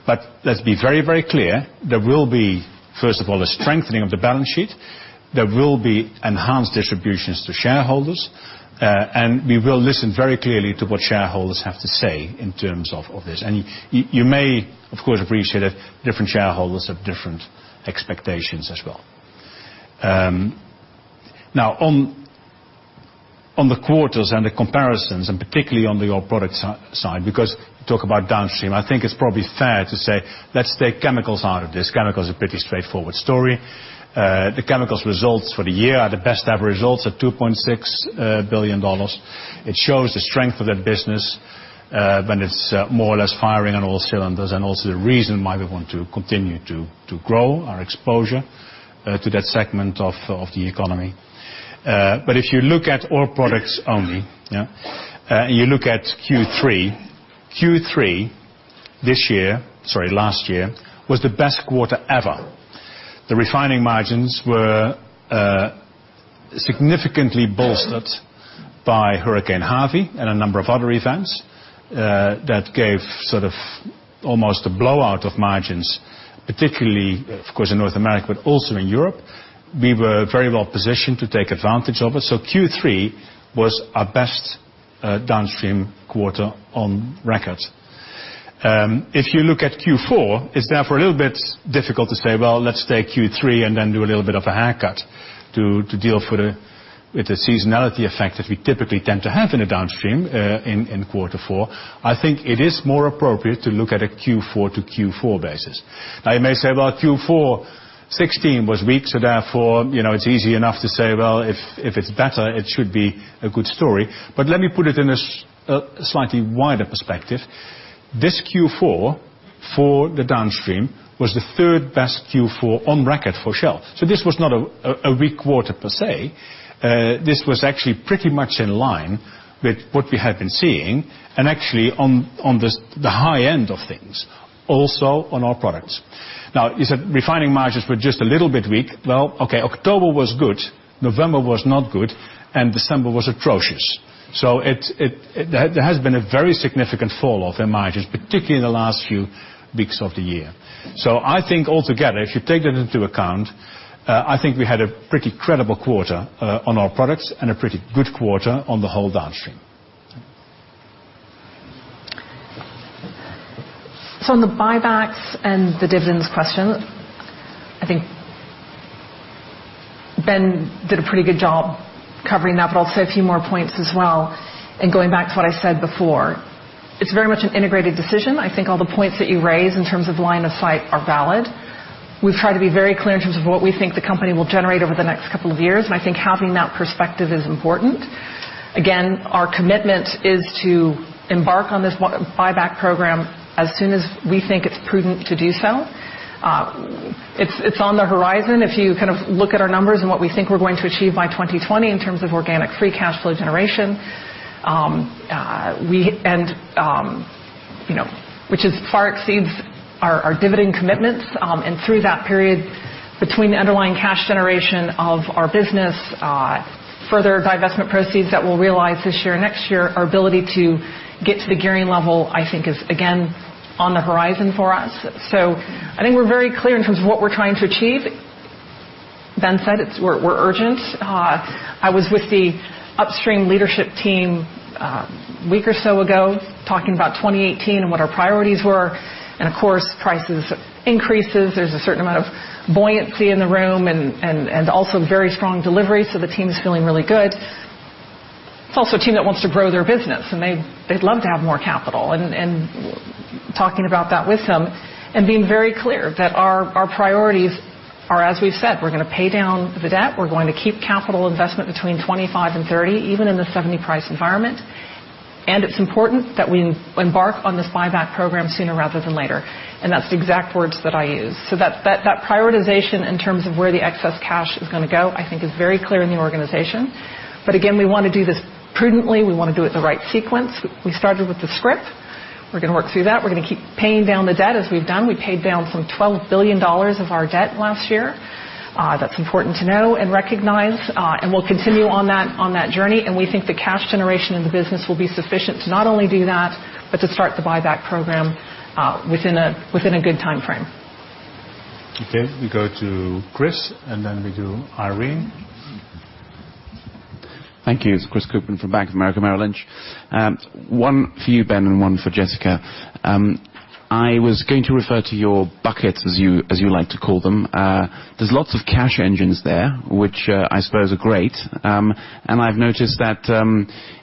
Let's be very clear. There will be, first of all, a strengthening of the balance sheet. There will be enhanced distributions to shareholders. We will listen very clearly to what shareholders have to say in terms of this. You may, of course, appreciate that different shareholders have different expectations as well. Now, on the quarters and the comparisons, particularly on the Oil Products side, because you talk about Downstream, I think it's probably fair to say, let's take Chemicals out of this. Chemicals are a pretty straightforward story. The Chemicals results for the year are the best ever results at $2.6 billion. It shows the strength of that business, when it's more or less firing on all cylinders, and also the reason why we want to continue to grow our exposure to that segment of the economy. If you look at Oil Products only, and you look at Q3 last year was the best quarter ever. The refining margins were significantly bolstered by Hurricane Harvey and a number of other events that gave sort of almost a blowout of margins, particularly, of course, in North America, but also in Europe. We were very well positioned to take advantage of it. Q3 was our best Downstream quarter on record. If you look at Q4, it's therefore a little bit difficult to say, well, let's take Q3 and then do a little bit of a haircut to deal with the seasonality effect that we typically tend to have in the Downstream in quarter four. I think it is more appropriate to look at a Q4 to Q4 basis. Now you may say, well, Q4 2016 was weak, therefore it's easy enough to say, well, if it's better, it should be a good story. Let me put it in a slightly wider perspective. This Q4 for the Downstream was the third-best Q4 on record for Shell. This was not a weak quarter per se. This was actually pretty much in line with what we had been seeing, and actually on the high end of things, also on Oil Products. You said refining margins were just a little bit weak. October was good, November was not good, and December was atrocious. There has been a very significant fall-off in margins, particularly in the last few weeks of the year. I think altogether, if you take that into account, I think we had a pretty credible quarter on Oil Products and a pretty good quarter on the whole Downstream. On the buybacks and the dividends question, I think Ben did a pretty good job covering that, but I'll say a few more points as well. Going back to what I said before, it's very much an integrated decision. I think all the points that you raise in terms of line of sight are valid. We've tried to be very clear in terms of what we think the company will generate over the next couple of years, and I think having that perspective is important. Again, our commitment is to embark on this buyback program as soon as we think it's prudent to do so. It's on the horizon. If you look at our numbers and what we think we're going to achieve by 2020 in terms of organic free cash flow generation, which far exceeds our dividend commitments. Through that period, between the underlying cash generation of our business, further divestment proceeds that we'll realize this year, next year, our ability to get to the gearing level, I think is again, on the horizon for us. I think we're very clear in terms of what we're trying to achieve. Ben said it, we're urgent. I was with the Upstream leadership team a week or so ago, talking about 2018 and what our priorities were. Of course, prices increases. There's a certain amount of buoyancy in the room and also very strong delivery, so the team is feeling really good. It's also a team that wants to grow their business, and they'd love to have more capital. Talking about that with them and being very clear that our priorities are as we've said. We're going to pay down the debt, we're going to keep capital investment between 25 and 30, even in the $70 price environment. It's important that we embark on this buyback program sooner rather than later. That's the exact words that I used. That prioritization in terms of where the excess cash is going to go, I think is very clear in the organization. Again, we want to do this prudently. We want to do it in the right sequence. We started with the scrip. We're going to work through that. We're going to keep paying down the debt as we've done. We paid down some $12 billion of our debt last year. That's important to know and recognize. We'll continue on that journey, and we think the cash generation in the business will be sufficient to not only do that, but to start the buyback program within a good time frame. Okay. We go to Chris, then we do Irene. Thank you. It's Chris Kuplent from Bank of America Merrill Lynch. One for you, Ben, and one for Jessica. I was going to refer to your buckets as you like to call them. There's lots of cash engines there, which I suppose are great. I've noticed that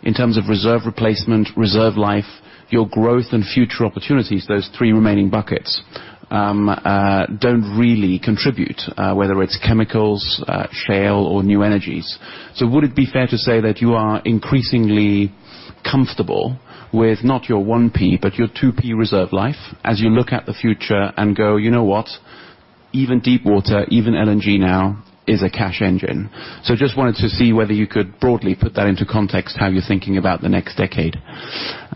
in terms of reserve replacement, reserve life, your growth and future opportunities, those three remaining buckets don't really contribute, whether it's Chemicals, Shale or New Energies. Would it be fair to say that you are increasingly comfortable with not your 1P, but your 2P reserve life as you look at the future and go, "You know what? Even Deepwater, even LNG now is a cash engine. Just wanted to see whether you could broadly put that into context how you're thinking about the next decade.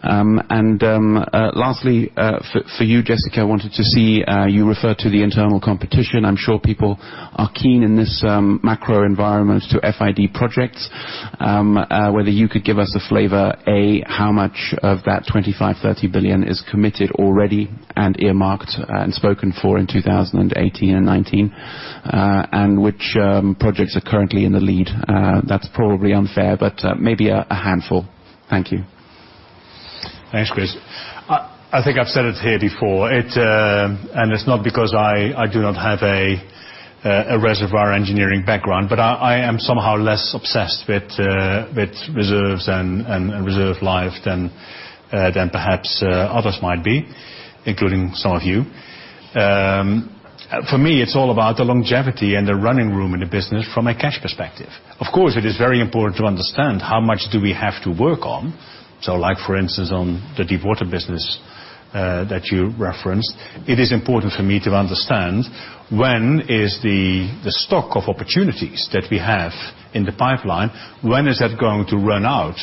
Lastly, for you, Jessica, I wanted to see, you refer to the internal competition. I'm sure people are keen in this macro environment to FID projects, whether you could give us a flavor, A, how much of that $25 billion-$30 billion is committed already and earmarked and spoken for in 2018 and 2019, and which projects are currently in the lead? That's probably unfair, but maybe a handful. Thank you. Thanks, Chris. I think I've said it here before. It's not because I do not have a reservoir engineering background. I am somehow less obsessed with reserves and reserve life than perhaps others might be, including some of you. For me, it's all about the longevity and the running room in the business from a cash perspective. Of course, it is very important to understand how much do we have to work on. For instance, on the Deepwater business that you referenced, it is important for me to understand when is the stock of opportunities that we have in the pipeline, when is that going to run out?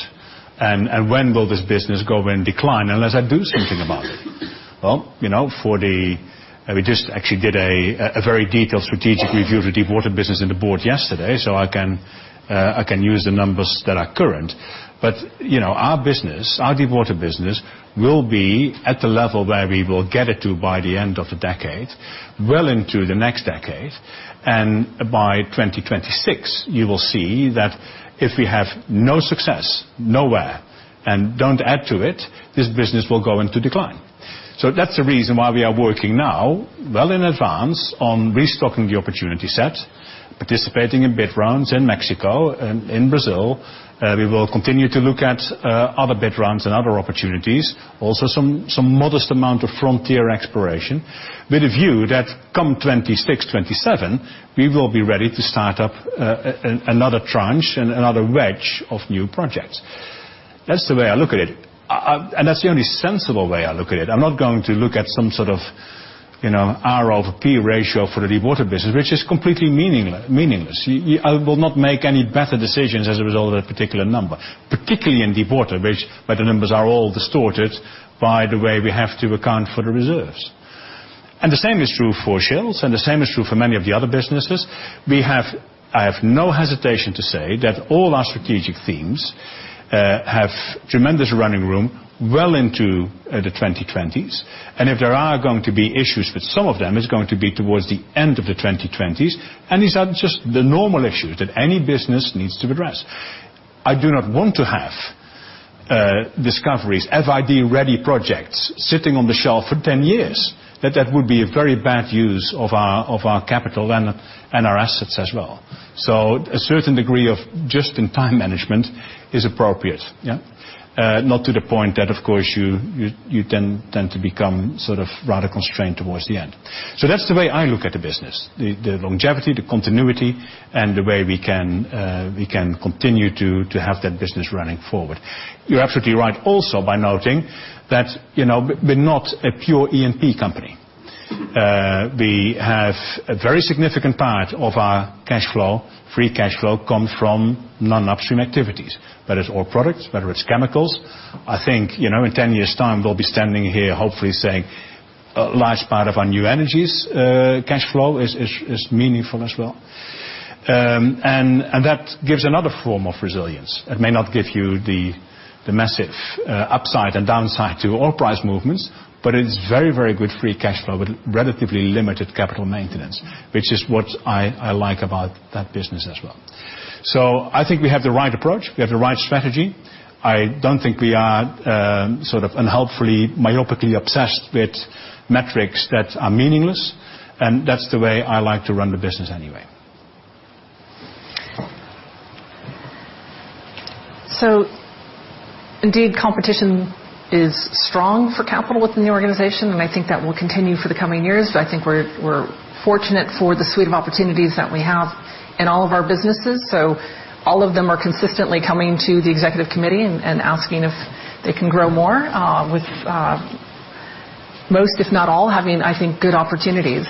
When will this business go in decline unless I do something about it? We just actually did a very detailed strategic review of the Deepwater business in the board yesterday. I can use the numbers that are current. Our Deepwater business will be at the level where we will get it to by the end of the decade, well into the next decade. By 2026, you will see that if we have no success nowhere and don't add to it, this business will go into decline. That's the reason why we are working now, well in advance, on restocking the opportunity set, participating in bid rounds in Mexico and in Brazil. We will continue to look at other bid rounds and other opportunities. Also some modest amount of frontier exploration with a view that come 2026, 2027, we will be ready to start up another tranche and another wedge of new projects. That's the way I look at it. That's the only sensible way I look at it. I'm not going to look at some sort of R/P ratio for the Deepwater business, which is completely meaningless. I will not make any better decisions as a result of that particular number. Particularly in Deepwater, the numbers are all distorted by the way we have to account for the reserves. The same is true for Shell. The same is true for many of the other businesses. I have no hesitation to say that all our strategic themes have tremendous running room well into the 2020s. If there are going to be issues with some of them, it's going to be towards the end of the 2020s. These are just the normal issues that any business needs to address. I do not want to have discoveries, FID-ready projects sitting on the shelf for 10 years. That would be a very bad use of our capital and our assets as well. A certain degree of just-in-time management is appropriate, yeah. Not to the point that, of course, you then tend to become sort of rather constrained towards the end. That's the way I look at the business, the longevity, the continuity, and the way we can continue to have that business running forward. You're absolutely right also by noting that we're not a pure E&P company. We have a very significant part of our cash flow, free cash flow come from non-Upstream activities, whether it's oil products, whether it's chemicals. I think in 10 years time, we'll be standing here hopefully saying a large part of our New Energies cash flow is meaningful as well. That gives another form of resilience. It may not give you the massive upside and downside to oil price movements, it is very, very good free cash flow with relatively limited capital maintenance, which is what I like about that business as well. I think we have the right approach, we have the right strategy. I don't think we are sort of unhelpfully, myopically obsessed with metrics that are meaningless, and that's the way I like to run the business anyway. Indeed, competition is strong for capital within the organization, I think that will continue for the coming years. I think we're fortunate for the suite of opportunities that we have in all of our businesses. All of them are consistently coming to the executive committee and asking if they can grow more, with most, if not all, having, I think, good opportunities.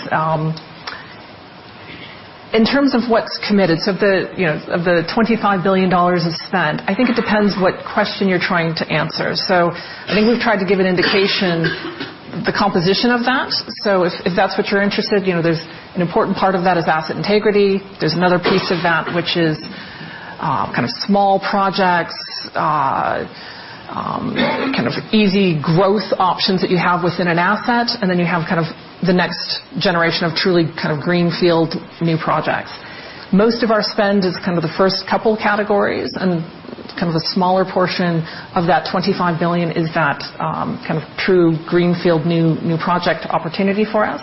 In terms of what's committed, of the $25 billion of spend, I think it depends what question you're trying to answer. I think we've tried to give an indication the composition of that. If that's what you're interested, an important part of that is asset integrity. There's another piece of that which is kind of small projects, kind of easy growth options that you have within an asset, then you have kind of the next generation of truly kind of greenfield new projects. Most of our spend is kind of the first couple categories, and kind of a smaller portion of that $25 billion is that kind of true greenfield new project opportunity for us.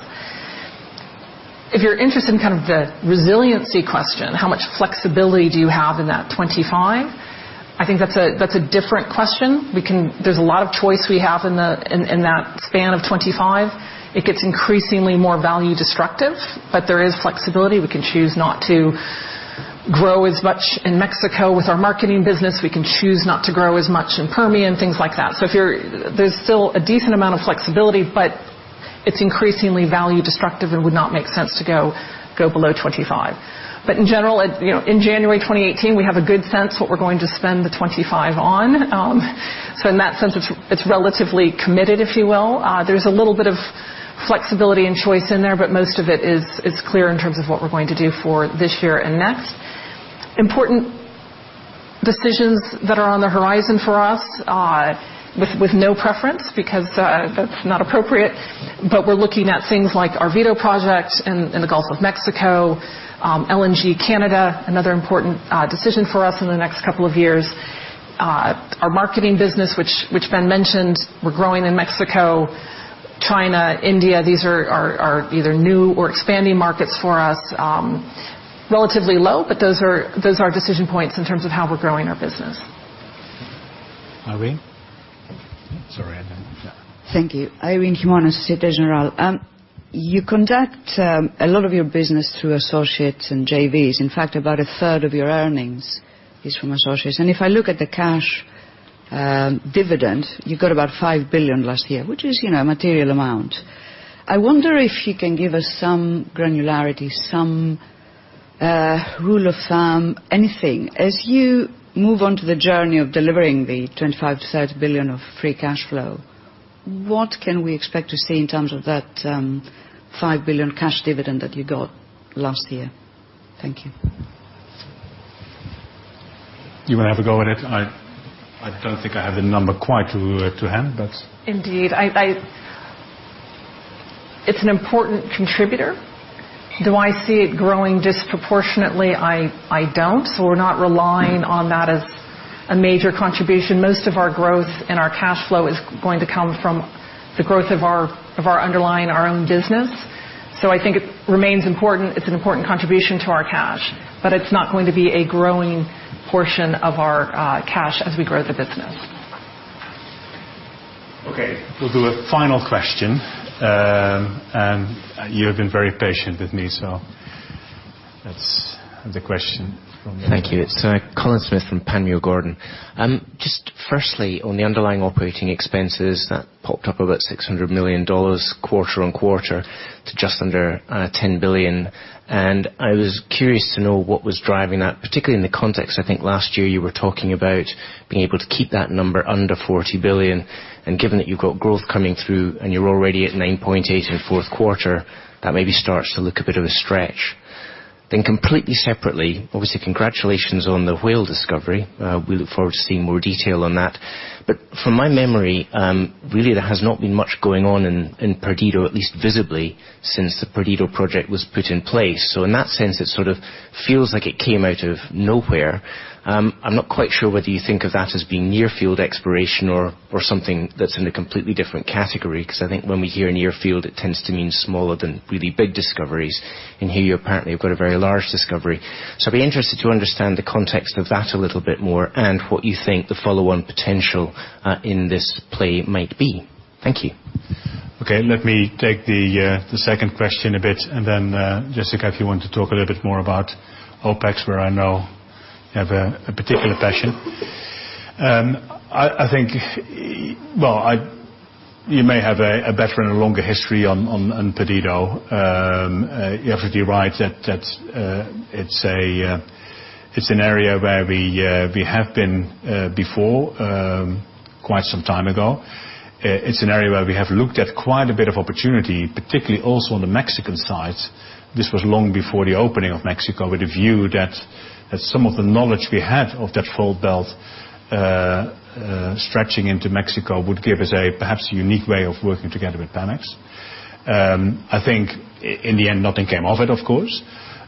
If you're interested in kind of the resiliency question, how much flexibility do you have in that $25 billion, I think that's a different question. There's a lot of choice we have in that span of $25 billion. It gets increasingly more value destructive, there is flexibility. We can choose not to grow as much in Mexico with our marketing business. We can choose not to grow as much in Permian, things like that. There's still a decent amount of flexibility, it's increasingly value destructive and would not make sense to go below $25 billion. In general, in January 2018, we have a good sense what we're going to spend the $25 billion on. In that sense, it's relatively committed, if you will. There's a little bit of flexibility and choice in there, most of it is clear in terms of what we're going to do for this year and next. Important decisions that are on the horizon for us, with no preference because that's not appropriate, we're looking at things like our Vito project in the Gulf of Mexico. LNG Canada, another important decision for us in the next couple of years. Our marketing business, which Ben mentioned. We're growing in Mexico, China, India. These are either new or expanding markets for us. Relatively low, those are decision points in terms of how we're growing our business. Irene? Thank you. Irene Himona, Société Générale. You conduct a lot of your business through associates and JVs. In fact, about a third of your earnings is from associates. If I look at the cash dividend, you got about $5 billion last year, which is a material amount. I wonder if you can give us some granularity, some rule of thumb, anything. As you move on to the journey of delivering the $25 billion-$30 billion of free cash flow, what can we expect to see in terms of that $5 billion cash dividend that you got last year? Thank you. You want to have a go at it? I don't think I have the number quite to hand. Indeed. It's an important contributor. Do I see it growing disproportionately? I don't. We're not relying on that as a major contribution. Most of our growth and our cash flow is going to come from the growth of our underlying, our own business. I think it remains important. It's an important contribution to our cash, but it's not going to be a growing portion of our cash as we grow the business. Okay. We'll do a final question. You have been very patient with me, that's the question from- Thank you. It's Colin Smith from Panmure Gordon. Just firstly, on the underlying operating expenses, that popped up about $600 million quarter-on-quarter to just under $10 billion. I was curious to know what was driving that, particularly in the context, I think last year, you were talking about being able to keep that number under $40 billion. Given that you've got growth coming through and you're already at $9.8 billion in the fourth quarter, that maybe starts to look a bit of a stretch. Completely separately, obviously, congratulations on the Whale discovery. We look forward to seeing more detail on that. From my memory, really, there has not been much going on in Perdido, at least visibly, since the Perdido project was put in place. In that sense, it sort of feels like it came out of nowhere. I'm not quite sure whether you think of that as being near-field exploration or something that's in a completely different category. I think when we hear near-field, it tends to mean smaller than really big discoveries. Here you apparently have got a very large discovery. I'd be interested to understand the context of that a little bit more and what you think the follow-on potential in this play might be. Thank you. Let me take the second question a bit, then Jessica, if you want to talk a little bit more about OpEx, where I know you have a particular passion. You may have a better and a longer history on Perdido. You are absolutely right that it's an area where we have been before, quite some time ago. It's an area where we have looked at quite a bit of opportunity, particularly also on the Mexican side. This was long before the opening of Mexico, with a view that some of the knowledge we had of that fold belt stretching into Mexico would give us a perhaps unique way of working together with Pemex. I think in the end, nothing came of it, of course.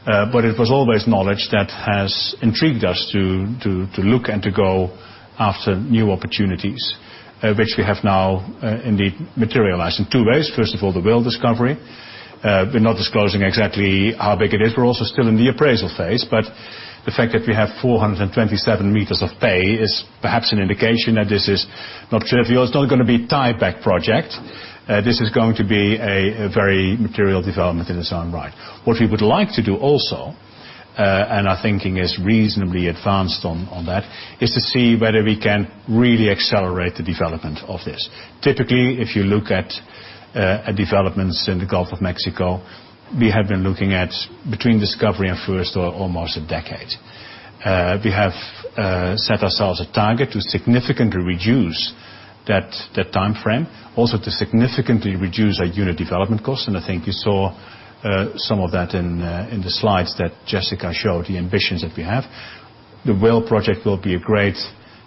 It was always knowledge that has intrigued us to look and to go after new opportunities, which we have now indeed materialized in two ways. First of all, the Whale discovery. We're not disclosing exactly how big it is. We're also still in the appraisal phase, but the fact that we have 427 meters of pay is perhaps an indication that this is not trivial. It's not going to be a tieback project. This is going to be a very material development in its own right. What we would like to do also, and our thinking is reasonably advanced on that, is to see whether we can really accelerate the development of this. Typically, if you look at developments in the Gulf of Mexico, we have been looking at between discovery and first oil, almost a decade. We have set ourselves a target to significantly reduce that time frame, also to significantly reduce our unit development cost, and I think you saw some of that in the slides that Jessica showed, the ambitions that we have. The Whale project will be a great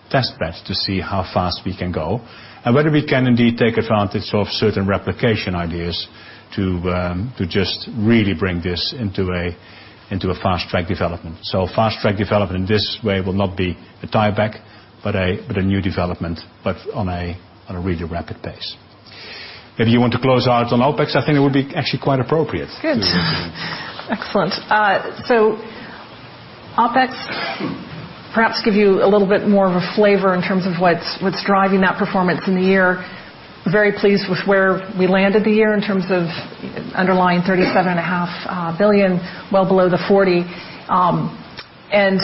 test bed to see how fast we can go and whether we can indeed take advantage of certain replication ideas to just really bring this into a fast-track development. Fast-track development in this way will not be a tieback, but a new development, but on a really rapid pace. If you want to close out on OpEx, I think it would be actually quite appropriate to- Good. Excellent. OpEx Perhaps give you a little bit more of a flavor in terms of what's driving that performance in the year. Very pleased with where we landed the year in terms of underlying $37.5 billion, well below the $40 billion.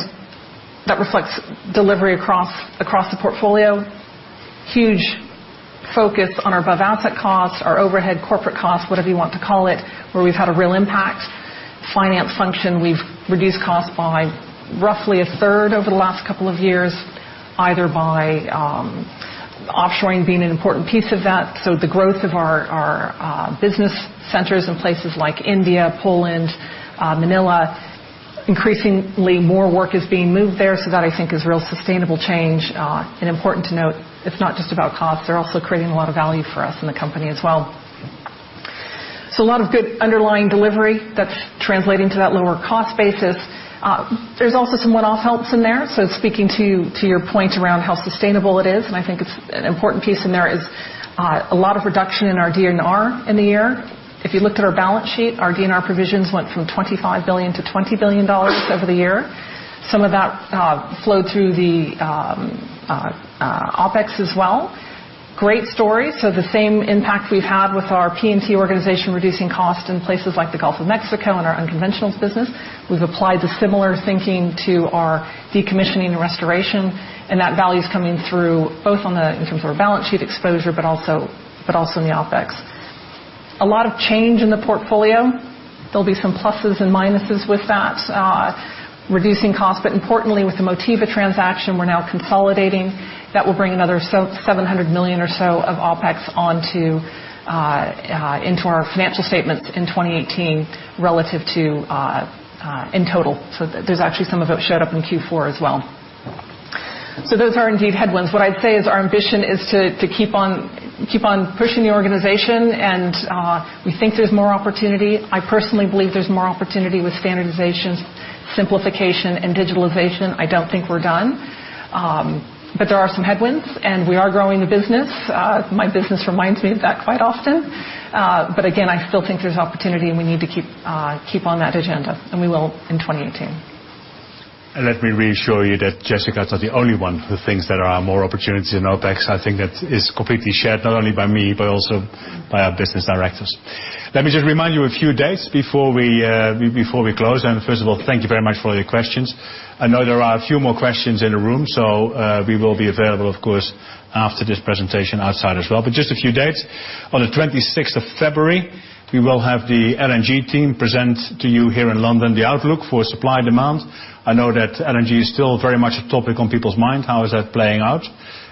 That reflects delivery across the portfolio. Huge focus on our above asset costs, our overhead corporate costs, whatever you want to call it, where we've had a real impact. Finance function, we've reduced costs by roughly a third over the last couple of years, either by offshoring being an important piece of that. The growth of our business centers in places like India, Poland, Manila, increasingly more work is being moved there. That I think is real sustainable change. Important to note, it's not just about costs. They're also creating a lot of value for us in the company as well. A lot of good underlying delivery that's translating to that lower cost basis. There's also some one-off helps in there. Speaking to your point around how sustainable it is, and I think it's an important piece in there, is a lot of reduction in our D&R in the year. If you looked at our balance sheet, our D&R provisions went from $25 billion to $20 billion over the year. Some of that flowed through the OpEx as well. Great story. The same impact we've had with our P&T organization, reducing costs in places like the Gulf of Mexico and our unconventionals business. We've applied the similar thinking to our decommissioning and restoration, and that value is coming through both in terms of our balance sheet exposure, but also in the OpEx. A lot of change in the portfolio. There'll be some pluses and minuses with that, reducing cost. Importantly, with the Motiva transaction, we're now consolidating. That will bring another $700 million or so of OpEx into our financial statements in 2018 relative to in total. There's actually some of it showed up in Q4 as well. Those are indeed headwinds. What I'd say is our ambition is to keep on pushing the organization, and we think there's more opportunity. I personally believe there's more opportunity with standardizations, simplification, and digitalization. I don't think we're done. There are some headwinds, and we are growing the business. My business reminds me of that quite often. Again, I still think there's opportunity, and we need to keep on that agenda, and we will in 2018. Let me reassure you that Jessica is not the only one who thinks there are more opportunities in OpEx. I think that is completely shared, not only by me, but also by our business directors. Let me just remind you a few dates before we close. First of all, thank you very much for all your questions. I know there are a few more questions in the room, we will be available, of course, after this presentation outside as well. Just a few dates. On the 26th of February, we will have the LNG team present to you here in London, the outlook for supply and demand. I know that LNG is still very much a topic on people's mind. How is that playing out?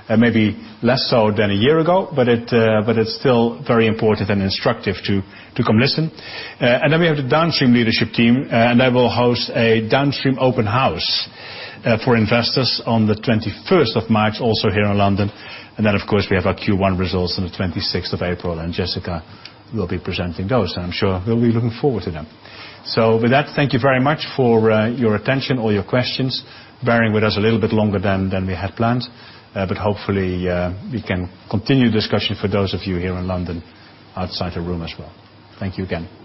Maybe less so than a year ago, but it's still very important and instructive to come listen. Then we have the Downstream leadership team, and they will host a Downstream open house for investors on the 21st of March, also here in London. Then, of course, we have our Q1 results on the 26th of April, and Jessica will be presenting those. I'm sure we'll be looking forward to them. With that, thank you very much for your attention, all your questions, bearing with us a little bit longer than we had planned. Hopefully, we can continue the discussion for those of you here in London, outside the room as well. Thank you again.